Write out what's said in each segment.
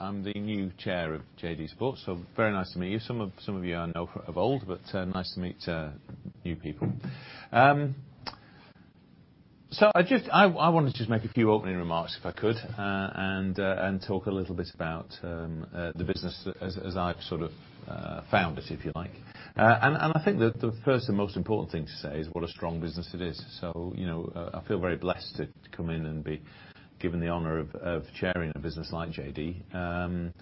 I'm the New Chair of JD Sports, so very nice to meet you. Some of you I know of old, but nice to meet new people. I wanna just make a few opening remarks if I could and talk a little bit about the business as I've sort of found it, if you like. I think the first and most important thing to say is what a strong business it is. You know, I feel very blessed to come in and be given the honor of chairing a business like JD.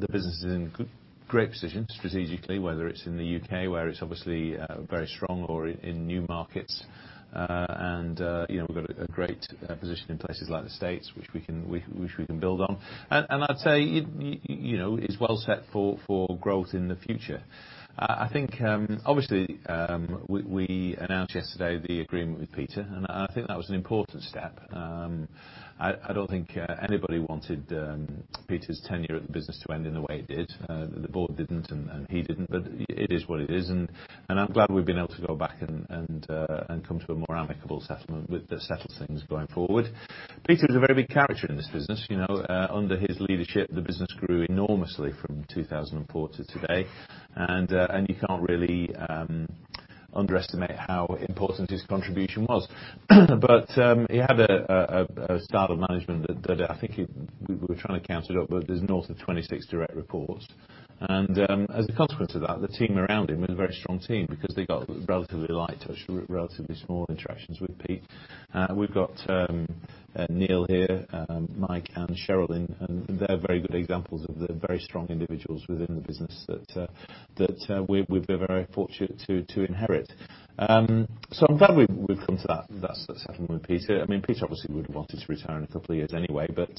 The business is in great position strategically, whether it's in the UK where it's obviously very strong or in new markets. You know, we've got a great position in places like the States, which we can build on. You know, it's well set for growth in the future. I think, obviously, we announced yesterday the agreement with Peter, and I think that was an important step. I don't think anybody wanted Peter's tenure at the business to end in the way it did. The board didn't and he didn't, but it is what it is, and I'm glad we've been able to go back and come to a more amicable settlement with the settled things going forward. Peter was a very big character in this business. You know, under his leadership, the business grew enormously from 2004 to today. You can't really underestimate how important his contribution was. He had a style of management that I think we were trying to count it up, but there's north of 26 direct reports. As a consequence of that, the team around him is a very strong team because they got relatively light touch, relatively small interactions with Peter. We've got Neil here, Mike and Sheryl, and they're very good examples of the very strong individuals within the business that we've been very fortunate to inherit. I'm glad we've come to that settlement with Peter. I mean, Peter obviously would have wanted to retire in a couple of years anyway, but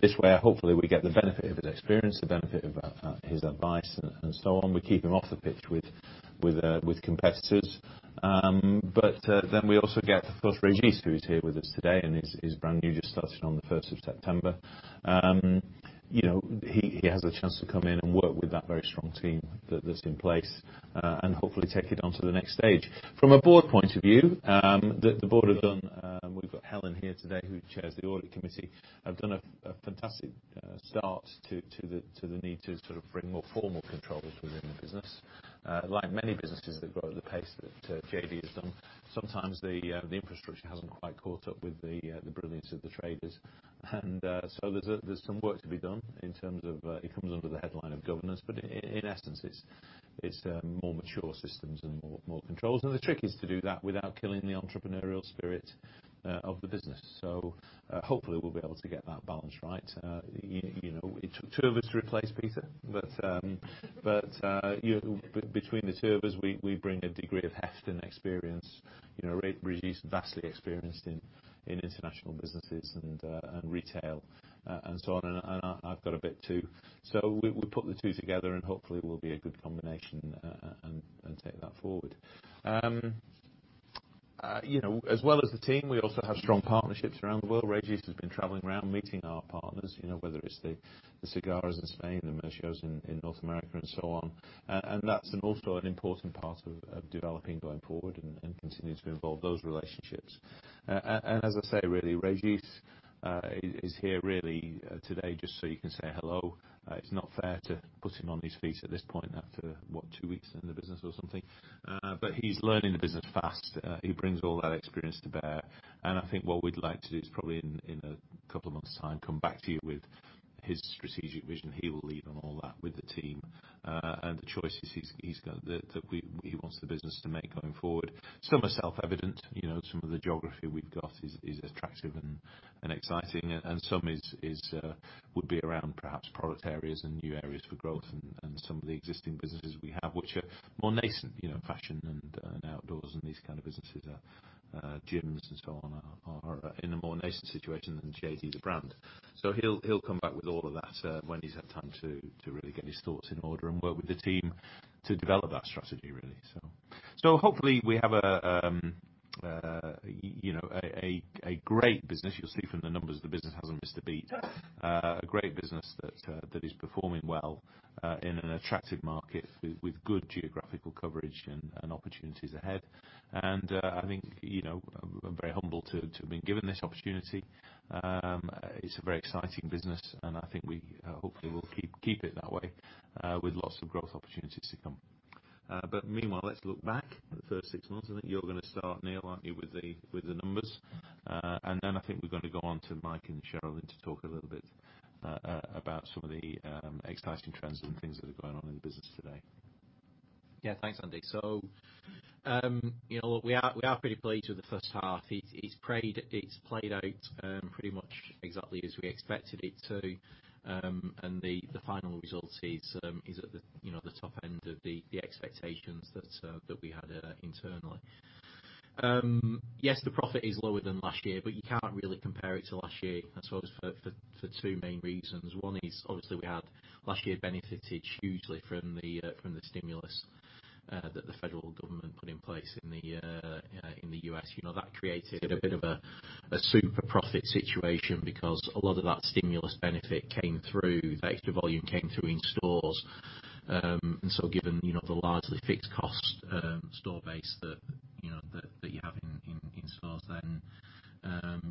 this way, hopefully we get the benefit of his experience, the benefit of his advice and so on. We keep him off the pitch with competitors. But then we also get, of course, Régis, who is here with us today and is brand new, just started on the first of September. You know, he has a chance to come in and work with that very strong team that's in place and hopefully take it on to the next stage. From a board point of view, the board have done. We've got Helen here today, who chairs the audit committee. We've done a fantastic start to the need to sort of bring more formal controls within the business. Like many businesses that grow at the pace that JD has done, sometimes the infrastructure hasn't quite caught up with the brilliance of the traders. There's some work to be done in terms of it. It comes under the headline of governance. In essence, it's more mature systems and more controls. The trick is to do that without killing the entrepreneurial spirit of the business. Hopefully we'll be able to get that balance right. You know, it took two of us to replace Peter, but you know, between the two of us, we bring a degree of heft and experience. You know, Régis is vastly experienced in international businesses and retail and so on. I've got a bit too. We put the two together, and hopefully we'll be a good combination and take that forward. You know, as well as the team, we also have strong partnerships around the world. Régis has been traveling around meeting our partners, you know, whether it's the Cigarras in Spain, the Mershos in North America and so on. That's also an important part of developing going forward and continuing to evolve those relationships. As I say, really, Régis is here really today just so you can say hello. It's not fair to put him on his feet at this point after, what, two weeks in the business or something. He's learning the business fast. He brings all that experience to bear. I think what we'd like to do is probably in a couple of months' time, come back to you with his strategic vision. He will lead on all that with the team. The choices he wants the business to make going forward. Some are self-evident. You know, some of the geography we've got is attractive and exciting. Some would be around perhaps product areas and new areas for growth and some of the existing businesses we have, which are more nascent. You know, fashion and outdoors and these kind of businesses, gyms and so on are in a more nascent situation than JD as a brand. He'll come back with all of that, when he's had time to really get his thoughts in order and work with the team to develop that strategy, really. Hopefully we have a, you know, a great business. You'll see from the numbers, the business hasn't missed a beat. A great business that is performing well in an attractive market with good geographical coverage and opportunities ahead. I think, you know, I'm very humbled to have been given this opportunity. It's a very exciting business, and I think we hopefully will keep it that way with lots of growth opportunities to come. Meanwhile, let's look back at the first six months. I think you're gonna start, Neil, aren't you, with the numbers? I think we're gonna go on to Mike and Sheryl then to talk a little bit about some of the exciting trends and things that are going on in the business today. Yeah. Thanks, Andy. We are pretty pleased with the first half. It has played out pretty much exactly as we expected it to. The final result is at the top end of the expectations that we had internally. Yes, the profit is lower than last year, but you can't really compare it to last year, I suppose, for two main reasons. One is obviously last year benefited hugely from the stimulus that the federal government put in place in the U.S. That created a bit of a super profit situation because a lot of that stimulus benefit came through, the extra volume came through in stores. Given, you know, the largely fixed cost store base that you know, that you have in stores then,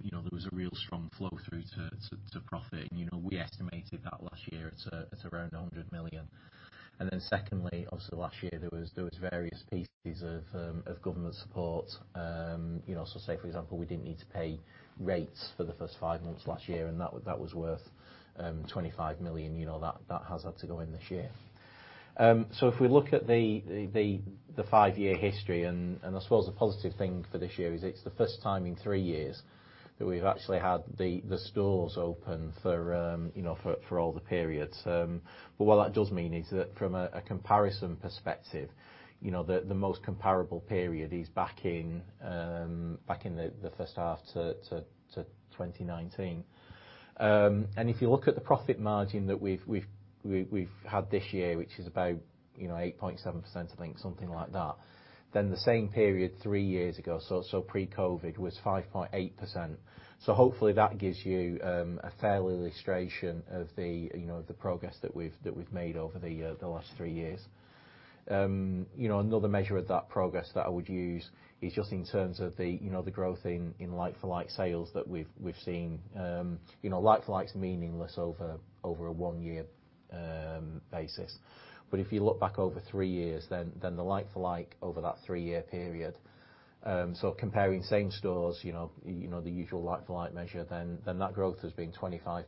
you know, there was a real strong flow through to profit. You know, we estimated that last year at around 100 million. Secondly, obviously last year there was various pieces of government support. Say for example, we didn't need to pay rates for the first five months last year, and that was worth 25 million. You know, that has had to go in this year. If we look at the five-year history, I suppose the positive thing for this year is it's the first time in three years that we've actually had the stores open for, you know, for all the periods. What that does mean is that from a comparison perspective, you know, the most comparable period is back in the first half of 2019. If you look at the profit margin that we've had this year, which is about, you know, 8.7% I think, something like that. The same period three years ago, so pre-COVID, was 5.8%. Hopefully that gives you a fair illustration of the, you know, of the progress that we've made over the last three years. You know, another measure of that progress that I would use is just in terms of the, you know, the growth in like-for-like sales that we've seen. You know, like-for-like is meaningless over a one-year basis. If you look back over three years then the like-for-like over that three-year period, so comparing same stores, you know the usual like-for-like measure then that growth has been 25%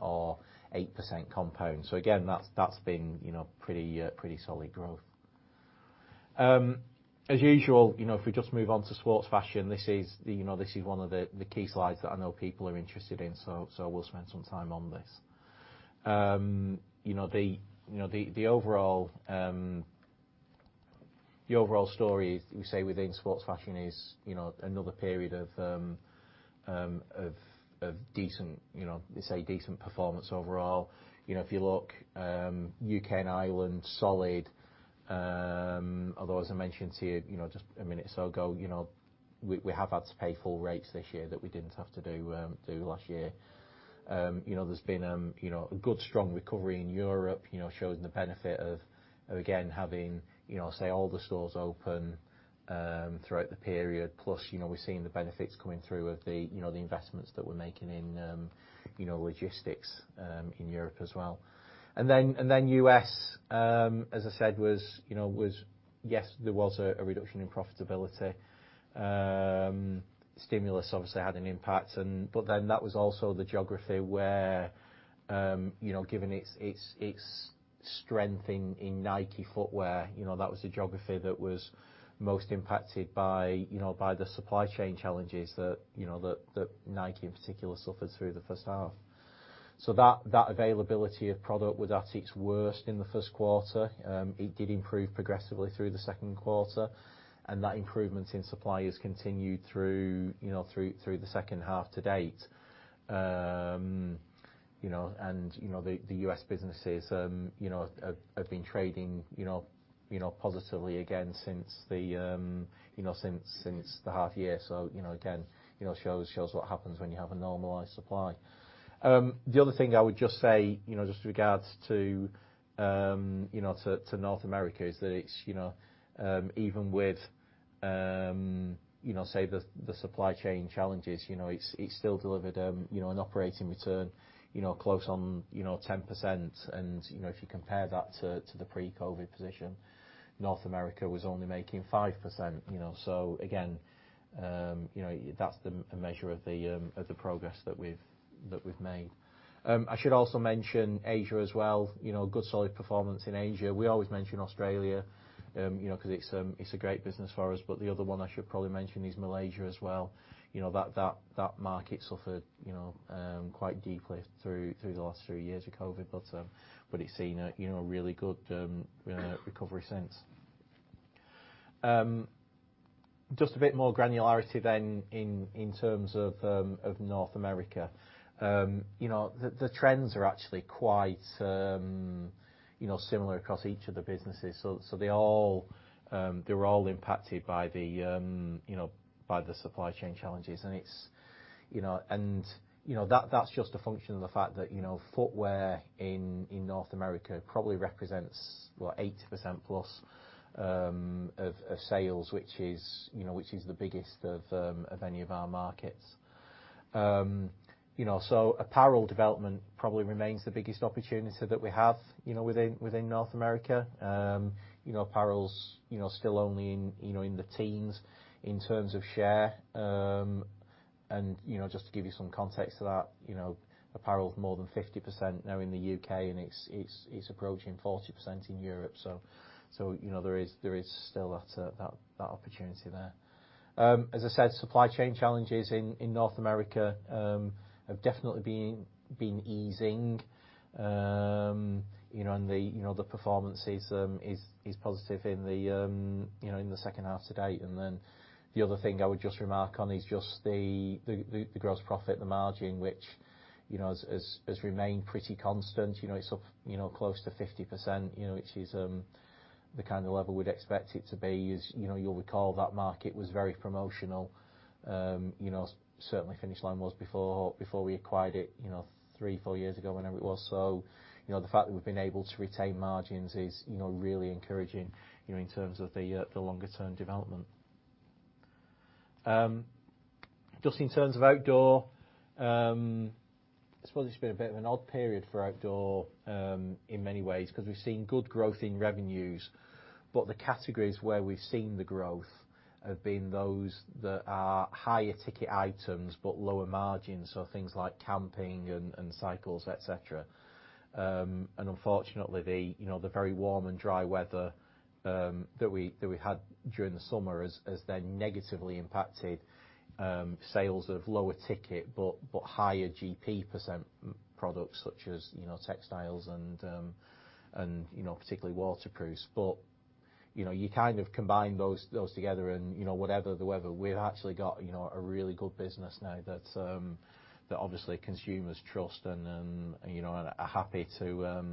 or 8% compound. Again, that's been you know pretty solid growth. As usual, you know, if we just move on to Sports Fashion, this is, you know, this is one of the key slides that I know people are interested in, so we'll spend some time on this. You know, the overall story we say within Sports Fashion is, you know, another period of decent performance overall. You know, if you look, UK and Ireland solid, although as I mentioned to you know, just a minute or so ago, you know, we have had to pay full rates this year that we didn't have to do last year. You know, there's been, you know, a good strong recovery in Europe, you know, showing the benefit of, again, having, you know, say all the stores open throughout the period plus, you know, we're seeing the benefits coming through of the, you know, the investments that we're making in, you know, logistics in Europe as well. U.S., as I said, was, yes, there was a reduction in profitability. Stimulus obviously had an impact, but then that was also the geography where, you know, given its strength in Nike footwear, you know, that was the geography that was most impacted by, you know, by the supply chain challenges that, you know, that Nike in particular suffered through the first half. That availability of product was at its worst in the first quarter. It did improve progressively through the second quarter, and that improvement in supply has continued through you know through the second half to date. You know, the U.S. businesses you know have been trading you know positively again since you know since the half year. You know, again, you know shows what happens when you have a normalized supply. The other thing I would just say, you know, just with regards to, you know, to North America is that it's, you know, say the supply chain challenges, you know, it's still delivered, you know, an operating return, you know, close on 10% and, you know, if you compare that to the pre-COVID position, North America was only making 5%, you know. So again, you know, that's a measure of the progress that we've made. I should also mention Asia as well. You know, good solid performance in Asia. We always mention Australia, you know, cause it's a great business for us. But the other one I should probably mention is Malaysia as well. You know that market suffered, you know, quite deeply through the last three years of COVID, but it's seen a really good recovery since. Just a bit more granularity then in terms of North America. You know, the trends are actually quite similar across each of the businesses. So, they all were all impacted by the supply chain challenges and it's. You know, that's just a function of the fact that footwear in North America probably represents, what, 80% plus of sales, which is the biggest of any of our markets. You know, apparel development probably remains the biggest opportunity that we have, you know, within North America. You know, apparel's still only in the teens in terms of share. You know, just to give you some context to that, you know, apparel is more than 50% now in the UK, and it's approaching 40% in Europe. You know, there is still that opportunity there. As I said, supply chain challenges in North America have definitely been easing, you know, and the performance is positive in the second half to date. The other thing I would just remark on is just the gross profit, the margin, which, you know, has remained pretty constant. You know, it's close to 50%, you know, which is the kind of level we'd expect it to be. You know, you'll recall that market was very promotional. You know, certainly Finish Line was before we acquired it, you know, three to four years ago, whenever it was. You know, the fact that we've been able to retain margins is, you know, really encouraging, you know, in terms of the longer-term development. Just in terms of outdoor, I suppose it's been a bit of an odd period for outdoor, in many ways, cause we've seen good growth in revenues, but the categories where we've seen the growth have been those that are higher ticket items but lower margins, so things like camping and cycles, et cetera. Unfortunately, you know, the very warm and dry weather that we had during the summer has then negatively impacted sales of lower ticket but higher GP percent products such as, you know, textiles and, you know, particularly waterproofs. You know, you kind of combine those together and, you know, whatever the weather, we've actually got, you know, a really good business now that obviously consumers trust and, you know, are happy to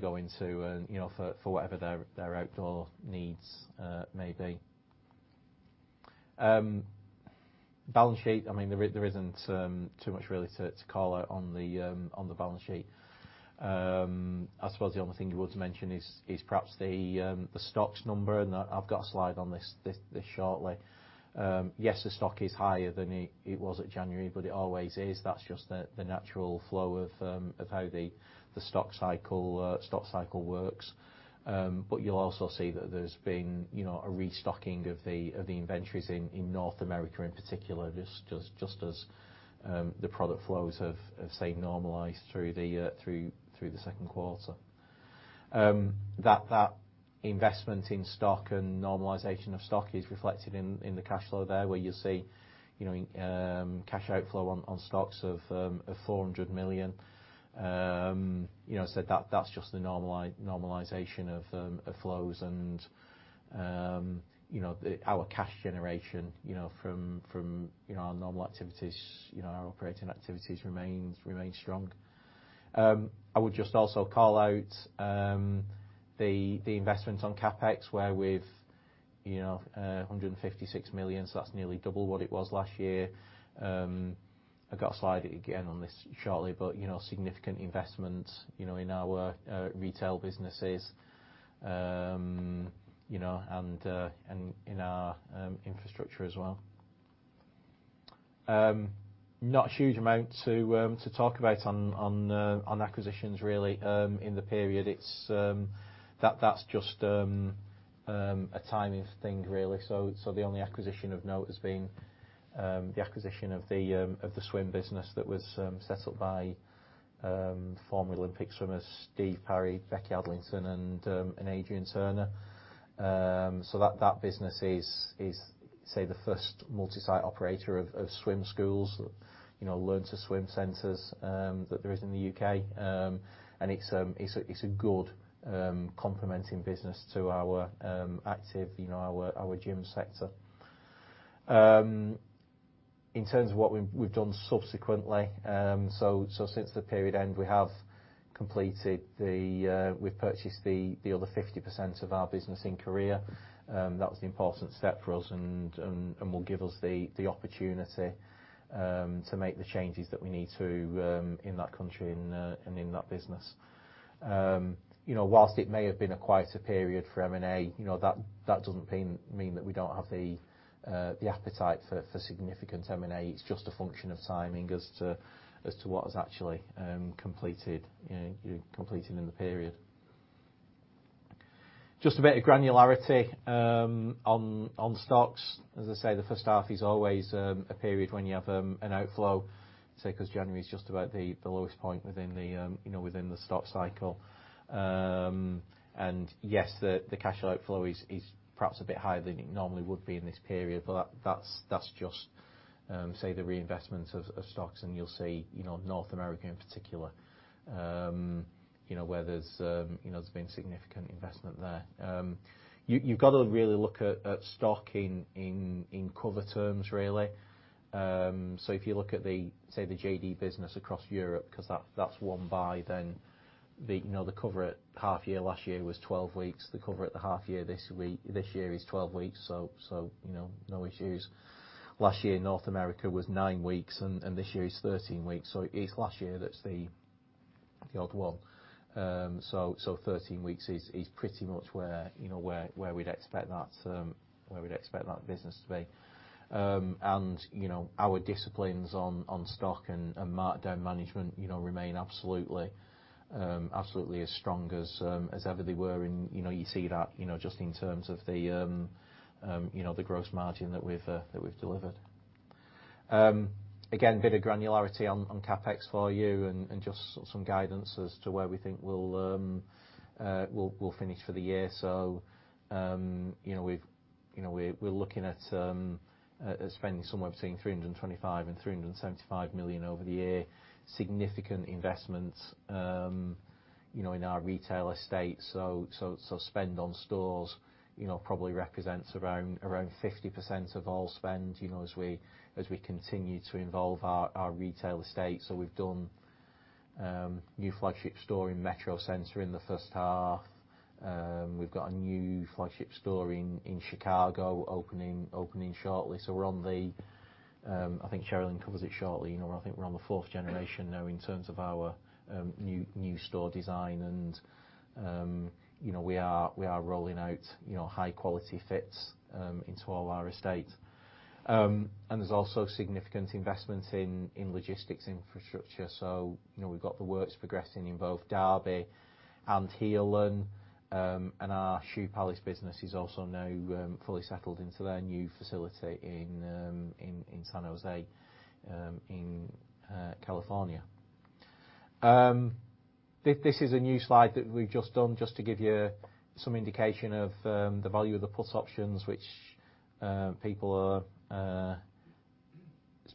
go into and, you know, for whatever their outdoor needs may be. Balance sheet, I mean, there isn't too much really to call out on the balance sheet. I suppose the only thing you want to mention is perhaps the stocks number, and I've got a slide on this shortly. Yes, the stock is higher than it was at January, but it always is. That's just the natural flow of how the stock cycle works. You'll also see that there's been, you know, a restocking of the inventories in North America in particular just as the product flows have say normalized through the second quarter. That investment in stock and normalization of stock is reflected in the cash flow there, where you'll see, you know, cash outflow on stocks of 400 million. You know, so that's just the normalization of flows and, you know, our cash generation, you know, from, you know, our normal activities, you know, our operating activities remain strong. I would just also call out the investment on CapEx, where we've, you know, 156 million, so that's nearly double what it was last year. I got a slide again on this shortly, but you know, significant investment, you know, in our retail businesses, you know, and in our infrastructure as well. Not a huge amount to talk about on acquisitions really in the period. That's just a timing thing really. The only acquisition of note has been the acquisition of the swim business that was set up by former Olympic swimmers Steve Parry, Becky Adlington and Adrian Turner. That business is, say, the first multi-site operator of swim schools, you know, learn to swim centers that there is in the UK. It's a good complementing business to our active, you know, our gym sector. In terms of what we've done subsequently, so since the period end, we've purchased the other 50% of our business in Korea. That was the important step for us and will give us the opportunity to make the changes that we need to in that country and in that business. You know, whilst it may have been a quieter period for M&A, you know, that doesn't mean that we don't have the appetite for significant M&A. It's just a function of timing as to what is actually completed, you know, in the period. Just a bit of granularity on stocks. As I say, the first half is always a period when you have an outflow, say, cause January is just about the lowest point within, you know, the stock cycle. Yes, the cash outflow is perhaps a bit higher than it normally would be in this period, but that's just the reinvestment of stocks, and you'll see, you know, North America in particular, you know, where there's been significant investment there. You've got to really look at stock in cover terms, really. If you look at, say, the JD business across Europe, cause that's one buy, then, you know, the cover at half year last year was 12 weeks. The cover at the half year this year is 12 weeks, so you know, no issues. Last year, North America was nine weeks, and this year is 13 weeks. It is last year that's the odd one. 13 weeks is pretty much where you know where we'd expect that business to be. You know, our disciplines on stock and markdown management you know remain absolutely as strong as ever they were. You know, you see that just in terms of the you know, the gross margin that we've delivered. Again, bit of granularity on CapEx for you and just some guidance as to where we think we'll finish for the year. You know, we've you know, we're looking at spending somewhere between 325 million and 375 million over the year. Significant investments, you know, in our retail estate. Spend on stores, you know, probably represents around 50% of all spend, you know, as we continue to evolve our retail estate. We've done new flagship store in Metrocentre in the first half. We've got a new flagship store in Chicago opening shortly. We're on the. I think Sherilyn covers it shortly, you know. I think we're on the fourth generation now in terms of our new store design, and you know, we are rolling out high quality fits into all our estate. There're also significant investments in logistics infrastructure. You know, we've got the works progressing in both Derby and Heanor, and our Shoe Palace business is also now fully settled into their new facility in San Jose in California. This is a new slide that we've just done just to give you some indication of the value of the put options which people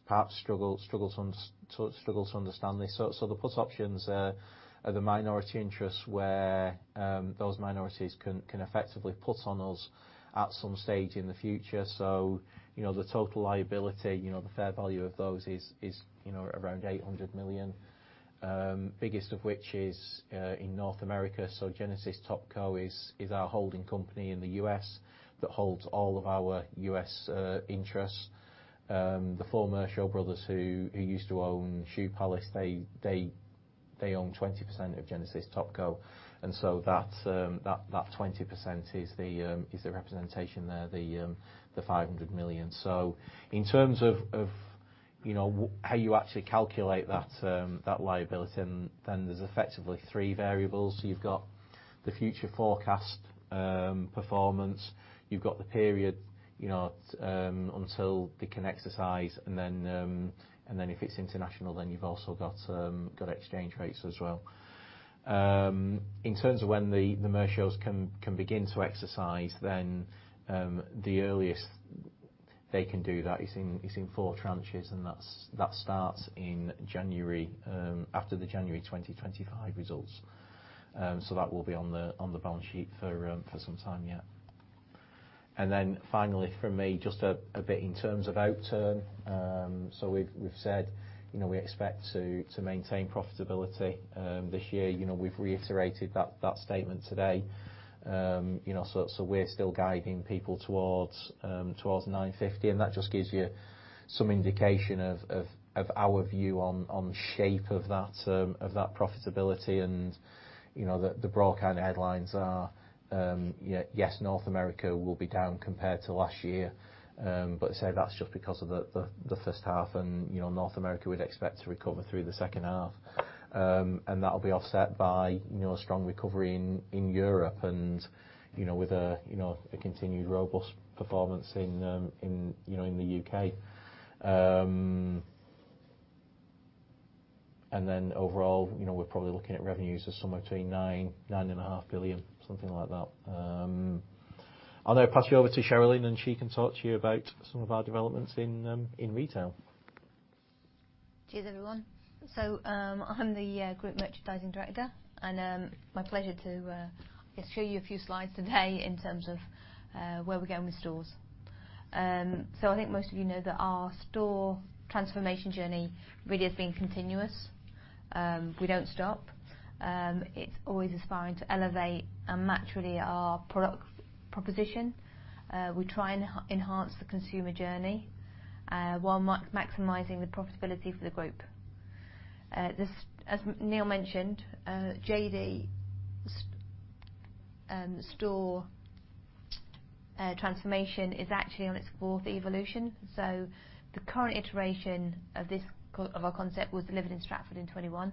perhaps struggle to understand. The put options are the minority interests where those minorities can effectively put on us at some stage in the future. You know, the total liability, you know, the fair value of those is, you know, around GDP 800 million, biggest of which is in North America. Genesis Topco is our holding company in the US that holds all of our US interests. The former Mersho brothers who used to own Shoe Palace, they own 20% of Genesis Topco, and so that twenty percent is the representation there, the GDP 500 million. In terms of, you know, how you actually calculate that liability, and then there's effectively three variables. You've got the future forecast, performance, you've got the period, you know, until they can exercise, and then if it's international, then you've also got exchange rates as well. In terms of when the Mershos can begin to exercise, then the earliest they can do that is in four tranches, and that starts in MJanuary after the January 2025 results. That will be on the balance sheet for some time yet. Then finally for me, just a bit in terms of outturn. We've said, you know, we expect to maintain profitability this year. You know, we've reiterated that statement today. You know, so we're still guiding people towards 950 million, and that just gives you some indication of our view on shape of that profitability. You know, the broad kind of headlines are yes, North America will be down compared to last year, but that's just because of the first half and you know, North America we'd expect to recover through the second half. That'll be offset by you know, a strong recovery in Europe and you know, with a continued robust performance in the UK. Then overall, you know, we're probably looking at revenues of somewhere between 9 billion and 9.5 billion, something like that. I'll now pass you over to Sherilyn, and she can talk to you about some of our developments in retail. Cheers, everyone. I'm the group merchandising director, and my pleasure to show you a few slides today in terms of where we're going with stores. I think most of you know that our store transformation journey really has been continuous. We don't stop. It's always aspiring to elevate and match really our product proposition. We try and enhance the consumer journey while maximizing the profitability for the group. As Neil mentioned, JD store transformation is actually on its fourth evolution. The current iteration of this concept was delivered in Stratford in 2021.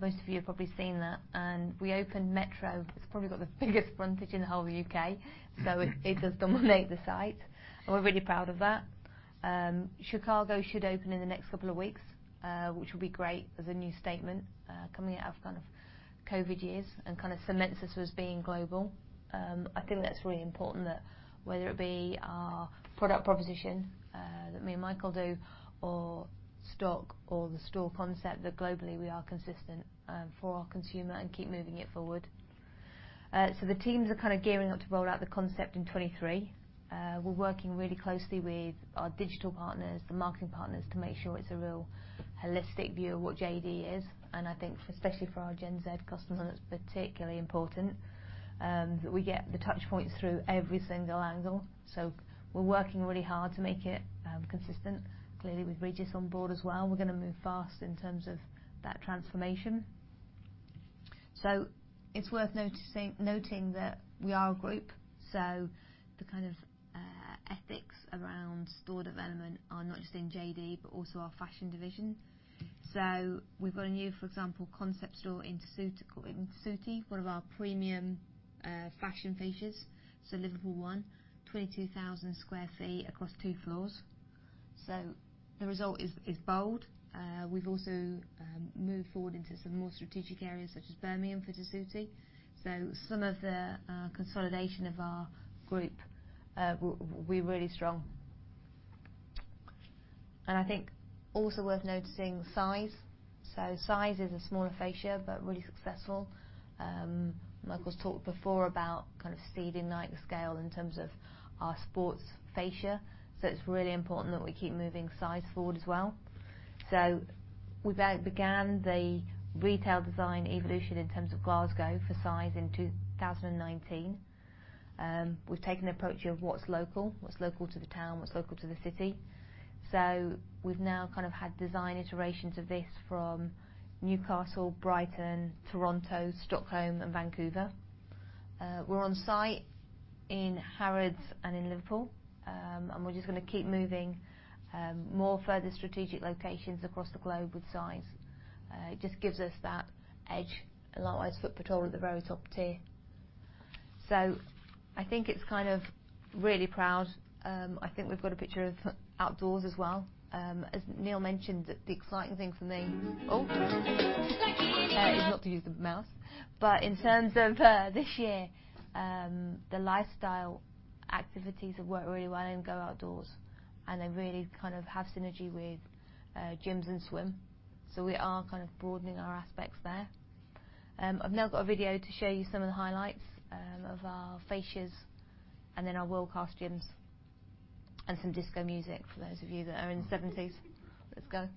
Most of you have probably seen that. We opened Metro. It's probably got the biggest frontage in the whole of the UK, so it does dominate the site, and we're really proud of that. Chicago should open in the next couple of weeks, which will be great as a new statement, coming out of kind of COVID years and kind of cements us as being global. I think that's really important that whether it be our product proposition, that me and Michael do or stock or the store concept, that globally we are consistent, for our consumer and keep moving it forward. The teams are kind of gearing up to roll out the concept in 2023. We're working really closely with our digital partners, the marketing partners, to make sure it's a real holistic view of what JD is. I think, especially for our Gen Z customers, it's particularly important, that we get the touch points through every single angle. We're working really hard to make it consistent. Clearly, with Régis on board as well, we're gonna move fast in terms of that transformation. It's worth noticing that we are a group, so the kind of ethics around store development are not just in JD, but also our fashion division. We've got a new, for example, concept store in Tessuti, one of our premium fashion fascias. Liverpool, 122,000 sq ft across two floors. The result is bold. We've also moved forward into some more strategic areas such as Birmingham for Tessuti. Some of the consolidation of our group, we're really strong. I think also worth noticing Size? Size? is a smaller fascia, but really successful. Michael's talked before about kind of Seed to Scale in terms of our sports fascia, so it's really important that we keep moving Size? forward as well. We then began the retail design evolution in terms of Glasgow for Size? in 2019. We've taken the approach of what's local to the town, what's local to the city. We've now kind of had design iterations of this from Newcastle, Brighton, Toronto, Stockholm and Vancouver. We're on site in Harrods and in Liverpool. We're just gonna keep moving more further strategic locations across the globe with Size?. It just gives us that edge, likewise, Footpatrol at the very top tier. I think I'm kind of really proud. I think we've got a picture of Go Outdoors as well. As Neil mentioned, the exciting thing for me is not to use the mouse, but in terms of this year, the lifestyle activities have worked really well in Go Outdoors, and they really kind of have synergy with gyms and swim. We are kind of broadening our aspects there. I've now got a video to show you some of the highlights of our fascias and then our world-class gyms and some disco music for those of you that are in the seventies. Let's go.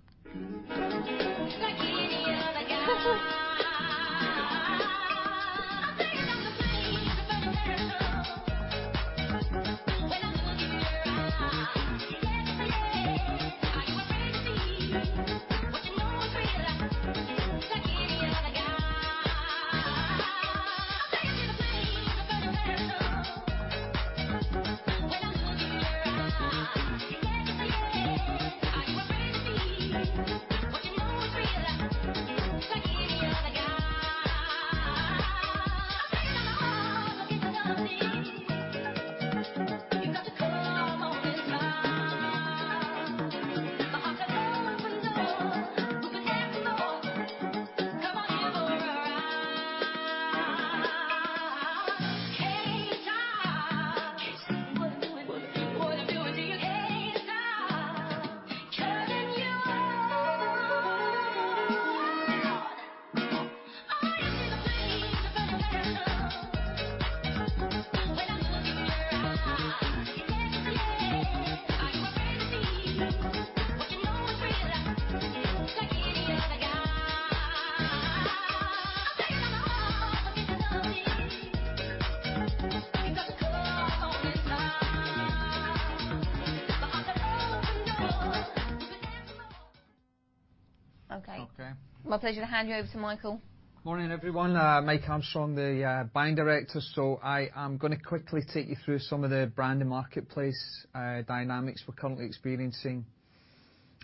Okay. Okay. My pleasure to hand you over to Michael. Morning, everyone. Mike Armstrong, the buying director. I am gonna quickly take you through some of the brand and marketplace dynamics we're currently experiencing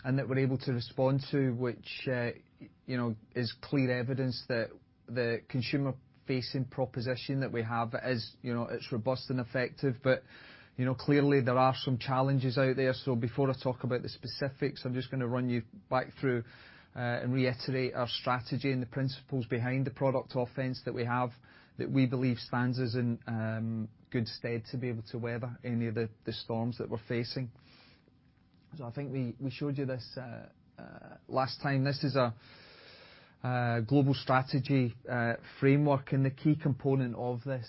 and that we're able to respond to which, you know, is clear evidence that the consumer-facing proposition that we have is, you know, it's robust and effective. You know, clearly there are some challenges out there. Before I talk about the specifics, I'm just gonna run you back through and reiterate our strategy and the principles behind the product offensive that we have that we believe stands us in good stead to be able to weather any of the storms that we're facing. I think we showed you this last time. This is our global strategy framework. The key component of this,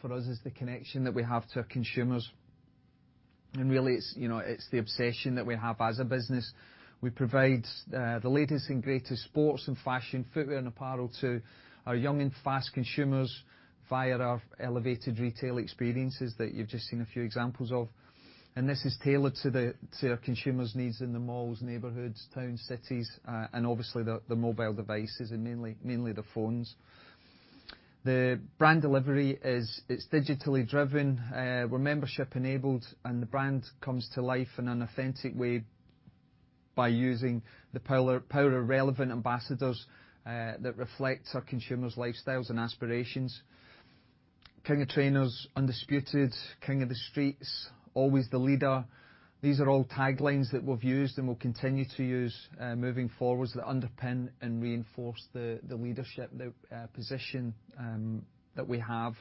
for us is the connection that we have to our consumers. Really, it's, you know, it's the obsession that we have as a business. We provide the latest and greatest sports and fashion footwear and apparel to our young and fast consumers via our elevated retail experiences that you've just seen a few examples of. This is tailored to our consumers' needs in the malls, neighborhoods, towns, cities, and obviously the mobile devices and mainly the phones. The brand delivery is, it's digitally driven, we're membership enabled, and the brand comes to life in an authentic way by using the power of relevant ambassadors that reflect our consumers' lifestyles and aspirations. King of Trainers, Undisputed, King of the Streets, Always the Leader. These are all taglines that we've used and will continue to use, moving forward that underpin and reinforce the leadership, the position that we have.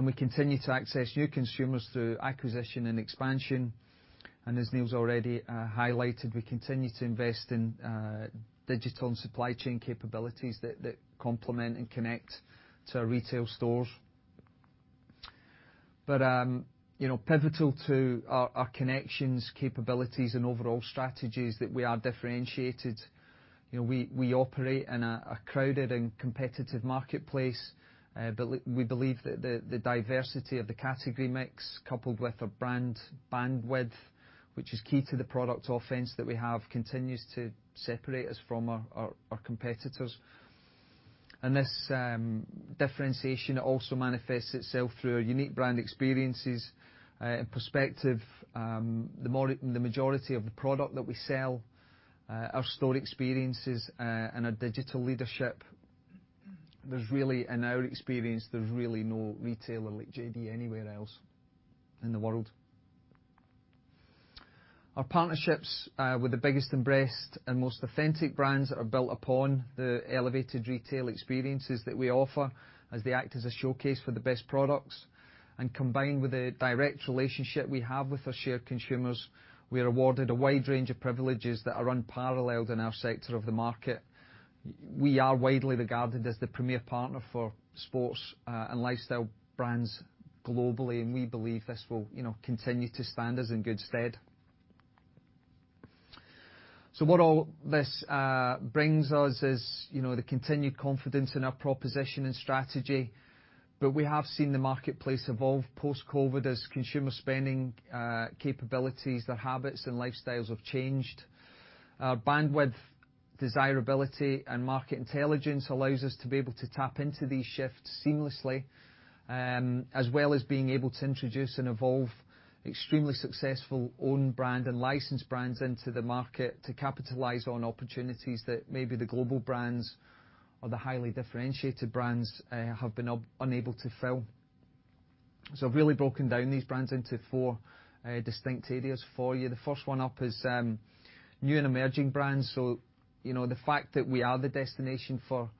We continue to access new consumers through acquisition and expansion. As Neil's already highlighted, we continue to invest in digital and supply chain capabilities that complement and connect to our retail stores. You know, pivotal to our connections, capabilities and overall strategies that we are differentiated. You know, we operate in a crowded and competitive marketplace. We believe that the diversity of the category mix coupled with our brand bandwidth, which is key to the product offering that we have, continues to separate us from our competitors. This differentiation also manifests itself through our unique brand experiences, in perspective, the majority of the product that we sell, our store experiences, and our digital leadership. In our experience, there's really no retailer like JD anywhere else in the world. Our partnerships with the biggest and best and most authentic brands are built upon the elevated retail experiences that we offer as they act as a showcase for the best products. Combined with the direct relationship we have with our shared consumers, we are awarded a wide range of privileges that are unparalleled in our sector of the market. We are widely regarded as the premier partner for sports and lifestyle brands globally, and we believe this will, you know, continue to stand us in good stead. What all this brings us is, you know, the continued confidence in our proposition and strategy, but we have seen the marketplace evolve post-COVID as consumer spending capabilities, their habits and lifestyles have changed. Our bandwidth, desirability, and market intelligence allows us to be able to tap into these shifts seamlessly, as well as being able to introduce and evolve extremely successful own brand and licensed brands into the market to capitalize on opportunities that maybe the global brands or the highly differentiated brands have been unable to fill. I've really broken down these brands into four distinct areas for you. The first one up is new and emerging brands. You know, the fact that we are the destination for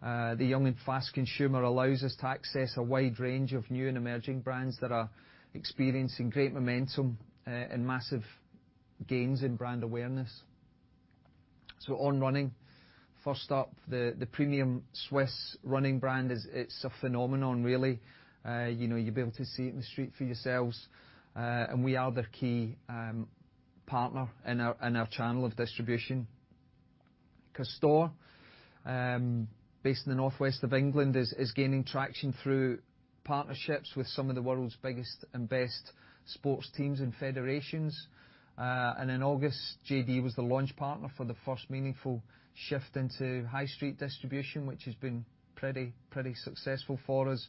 the young and fast consumer allows us to access a wide range of new and emerging brands that are experiencing great momentum and massive gains in brand awareness. On Running first up, the premium Swiss running brand is a phenomenon really. You know, you'll be able to see it in the street for yourselves. We are their key partner in our channel of distribution. Castore, based in the northwest of England, is gaining traction through partnerships with some of the world's biggest and best sports teams and federations. In August, JD was the launch partner for the first meaningful shift into high street distribution, which has been pretty successful for us.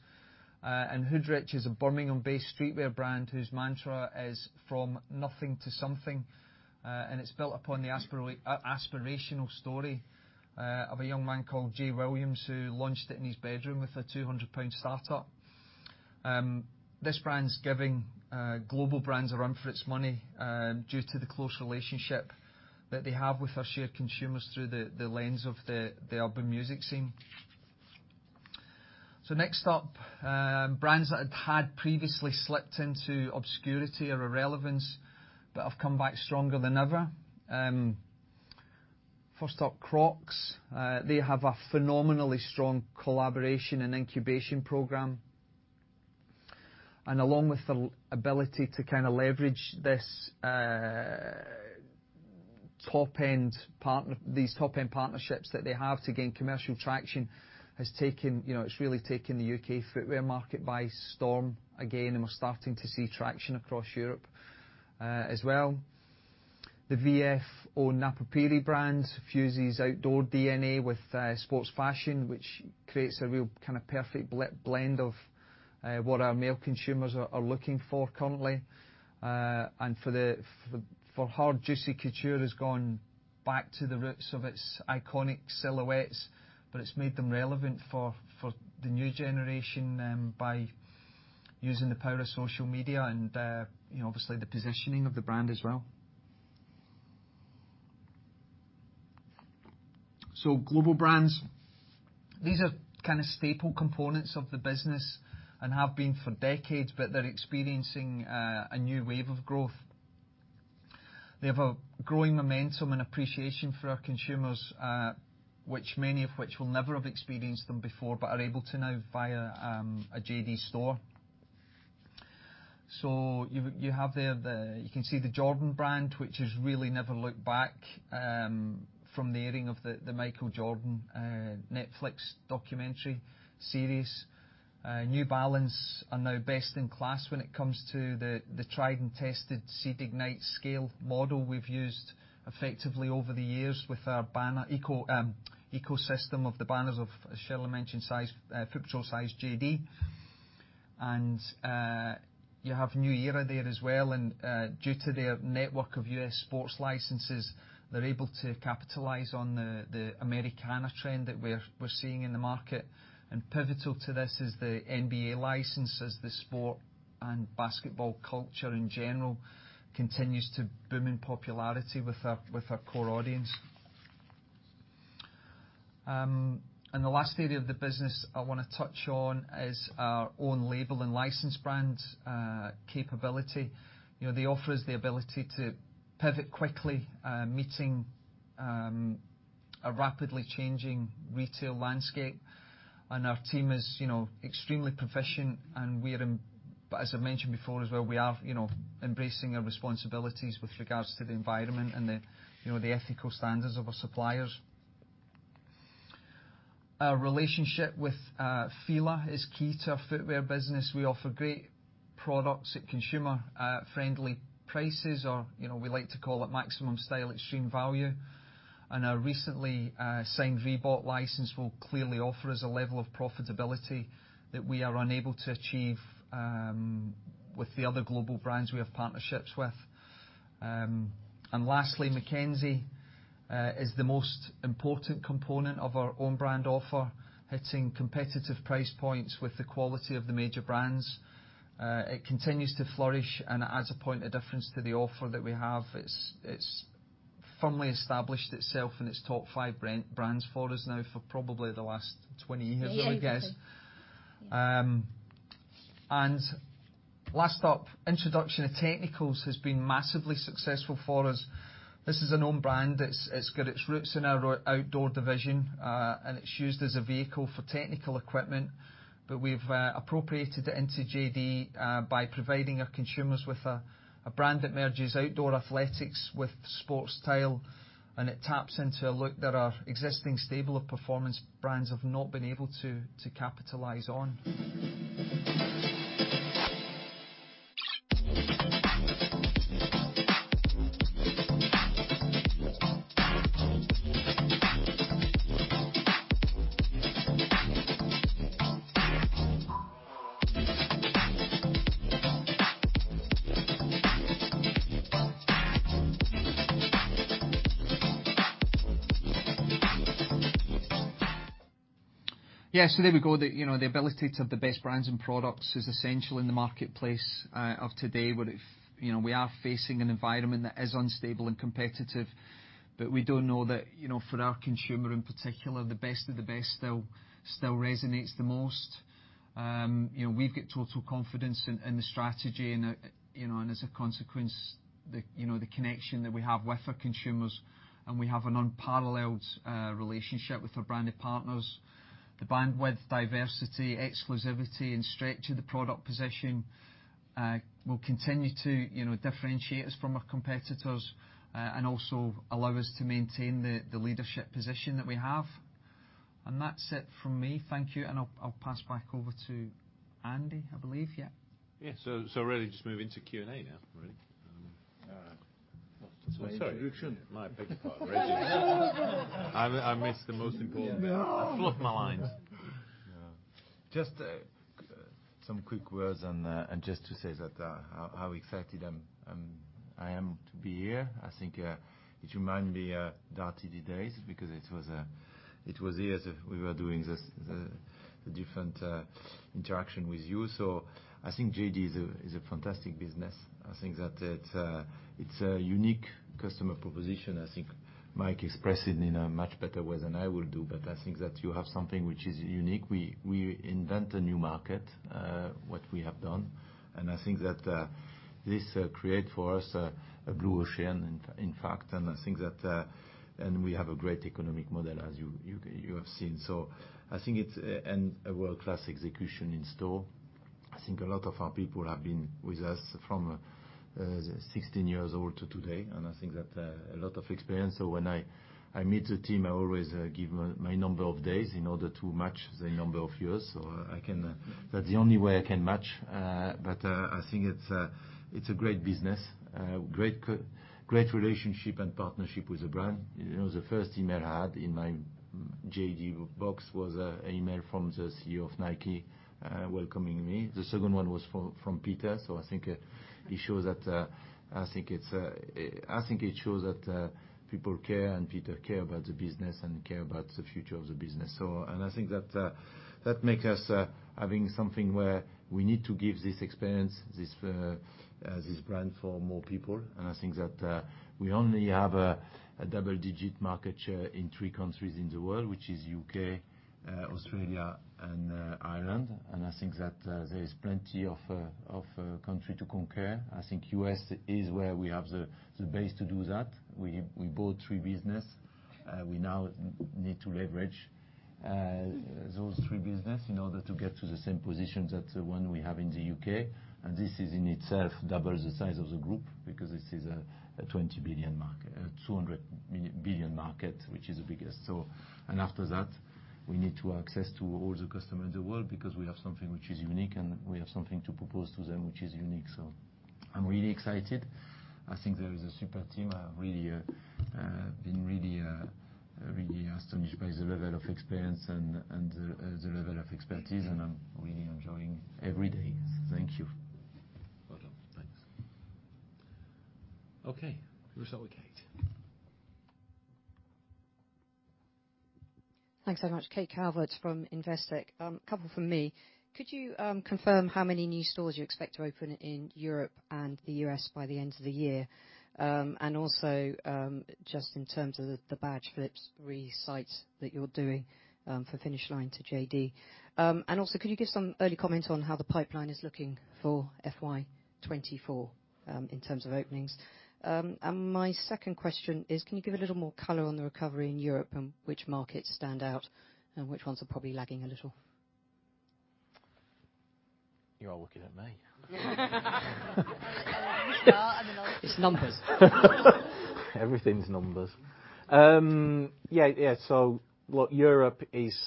Hoodrich is a Birmingham-based streetwear brand whose mantra is from nothing to something, and it's built upon the aspirational story of a young man called Jay Williams, who launched it in his bedroom with a GDP 200 startup. This brand's giving global brands a run for its money due to the close relationship that they have with our shared consumers through the lens of the urban music scene. Next up, brands that had previously slipped into obscurity or irrelevance but have come back stronger than ever. First up, Crocs. They have a phenomenally strong collaboration and incubation program. Along with the ability to kinda leverage this, top-end partner. These top-end partnerships that they have to gain commercial traction has taken, you know, it's really taken the UK footwear market by storm again, and we're starting to see traction across Europe as well. The VF-owned Napapijri brand fuses outdoor DNA with sports fashion, which creates a real kind of perfect blend of what our male consumers are looking for currently. And for her, Juicy Couture has gone back to the roots of its iconic silhouettes, but it's made them relevant for the new generation by using the power of social media and, you know, obviously the positioning of the brand as well. Global brands. These are kinda staple components of the business and have been for decades, but they're experiencing a new wave of growth. They have a growing momentum and appreciation for our consumers, which many of which will never have experienced them before, but are able to now via a JD store. You can see the Jordan brand, which has really never looked back from the airing of the Michael Jordan Netflix documentary series. New Balance are now best in class when it comes to the tried and tested Seed to Scale model, we've used effectively over the years with our banner ecosystem of the banners of, as Sherilyn mentioned, Size? Footpatrol, JD. You have New Era there as well, and due to their network of U.S. sports licenses, they're able to capitalize on the Americana trend that we're seeing in the market. Pivotal to this is the NBA license as the sport and basketball culture in general continues to boom in popularity with our core audience. The last area of the business I wanna touch on is our own label and license brands capability. You know, the offer is the ability to pivot quickly, meeting a rapidly changing retail landscape. Our team is, you know, extremely proficient and we are embracing our responsibilities with regards to the environment and the, you know, the ethical standards of our suppliers. Our relationship with FILA is key to our footwear business. We offer great products at consumer-friendly prices or, you know, we like to call it maximum style at stream value. Our recently signed Reebok license will clearly offer us a level of profitability that we are unable to achieve with the other global brands we have partnerships with. Lastly, McKenzie is the most important component of our own brand offer. Hitting competitive price points with the quality of the major brands. It continues to flourish and adds a point of difference to the offer that we have. It's firmly established itself in its top five brands for us now for probably the last 20 years. Yeah. Yeah I would guess. Last up, introduction of Technicals has been massively successful for us. This is an own brand. It's got its roots in our outdoor division, and it's used as a vehicle for technical equipment. But we've appropriated it into JD by providing our consumers with a brand that merges outdoor athletics with sports style, and it taps into a look that our existing stable of performance brands have not been able to capitalize on. Yeah, so there we go. You know, the ability to have the best brands and products is essential in the marketplace of today, where you know, we are facing an environment that is unstable and competitive, but we do know that, you know, for our consumer in particular, the best of the best still resonates the most. You know, we've got total confidence in the strategy and, you know, and as a consequence, the connection that we have with our consumers, and we have an unparalleled relationship with our branded partners. The bandwidth, diversity, exclusivity and strength of the product position will continue to, you know, differentiate us from our competitors and also allow us to maintain the leadership position that we have. That's it from me. Thank you, and I'll pass back over to Andy, I believe. Yeah. Yeah. Really just move into Q&A now, really. Sorry. Introduction. My appetite. Ready. I missed the most important. No. I fluffed my lines. Just some quick words and just to say that how excited I am to be here. I think it reminds me of the RTD days because it was here that we were doing this, the different interaction with you. I think JD is a fantastic business. I think that it's a unique customer proposition. I think Mike expressed it in a much better way than I will do, but I think that you have something which is unique. We invent a new market what we have done, and I think that this creates for us a blue ocean in fact. I think that we have a great economic model as you have seen. I think it's a world-class execution in store. I think a lot of our people have been with us from 16 years old to today. I think that a lot of experience. When I meet the team, I always give my number of days in order to match the number of years. I can. That's the only way I can match. I think it's a great business, great relationship and partnership with the brand. You know, the first email I had in my JD box was an email from the CEO of Nike welcoming me. The second one was from Peter. I think it shows that people care and Peter care about the business and care about the future of the business. I think that makes us having something where we need to give this experience, this brand for more people. I think that we only have a double-digit market share in three countries in the world, which is U.K., Australia and Ireland. I think that there is plenty of country to conquer. I think U.S. is where we have the base to do that. We bought three businesses. We now need to leverage those three businesses in order to get to the same position that one we have in the U.K. This is in itself double the size of the group because this is a GDP 200 billion market, which is the biggest. After that, we need access to all the customers in the world because we have something which is unique, and we have something to propose to them which is unique. So I'm really excited. I think there is a super team. I have really been astonished by the level of experience and the level of expertise, and I'm really enjoying every day. Thank you. Well done. Thanks. Okay. We start with Kate. Thanks so much. Kate Calvert from Investec. A couple from me. Could you confirm how many new stores you expect to open in Europe and the US by the end of the year? And also, just in terms of the Badge Phillips three sites that you're doing for Finish Line to JD. And also could you give some early comment on how the pipeline is looking for FY 2024 in terms of openings? And my second question is, can you give a little more color on the recovery in Europe and which markets stand out and which ones are probably lagging a little? You are looking at me. Where do we start? I don't know. It's numbers. Everything's numbers. Look, Europe is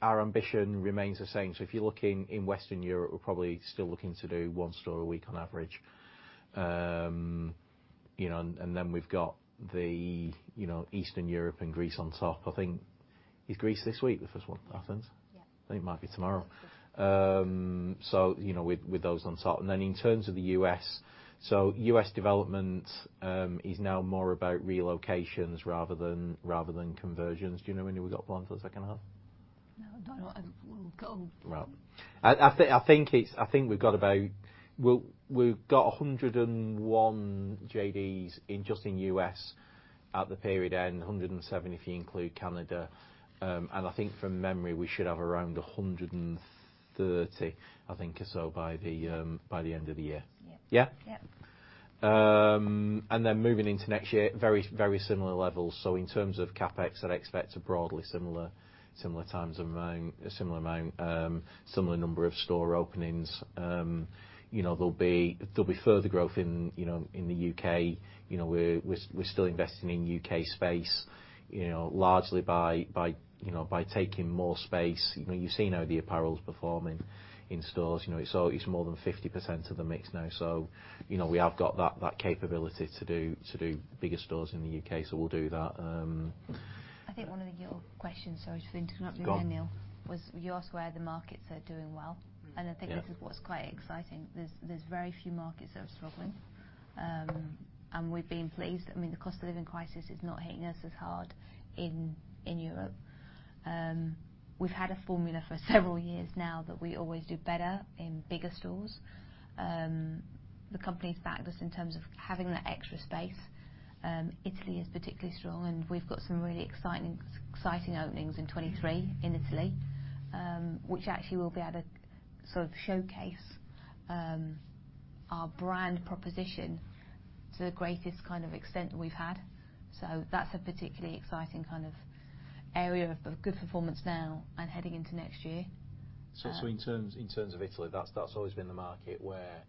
our ambition remains the same. If you're looking in Western Europe, we're probably still looking to do one store a week on average. You know, and then we've got Eastern Europe and Greece on top. I think. Is Greece this week, the first one? Athens? Yeah. I think it might be tomorrow. You know, with those on top. In terms of the U.S., so U.S. development is now more about relocations rather than conversions. Do you know when we got planned for the second half? No, I don't. We'll go. Well, I think we've got 101 JDs in just the U.S. at the period end, 170 if you include Canada. I think from memory, we should have around 130 or so by the end of the year. Yeah. Yeah? Yeah. Moving into next year, very similar levels. In terms of CapEx, I'd expect a broadly similar amount, similar number of store openings. You know, there'll be further growth in the UK. You know, we're still investing in UK space, you know, largely by taking more space. You know, you've seen how the apparel's performing in stores. You know, it's more than 50% of the mix now. You know, we have got that capability to do bigger stores in the UK, so we'll do that. I think one of your questions, sorry for interrupting you there, Neil. It's gone. As you asked where the markets are doing well. Yeah. I think this is what's quite exciting. There's very few markets that are struggling. We've been pleased. I mean, the cost of living crisis is not hitting us as hard in Europe. We've had a formula for several years now that we always do better in bigger stores. The company's backed us in terms of having that extra space. Italy is particularly strong, and we've got some really exciting openings in 2023 in Italy, which actually we'll be able to sort of showcase our brand proposition to the greatest kind of extent we've had. That's a particularly exciting kind of area of good performance now and heading into next year. In terms of Italy, that's always been the market where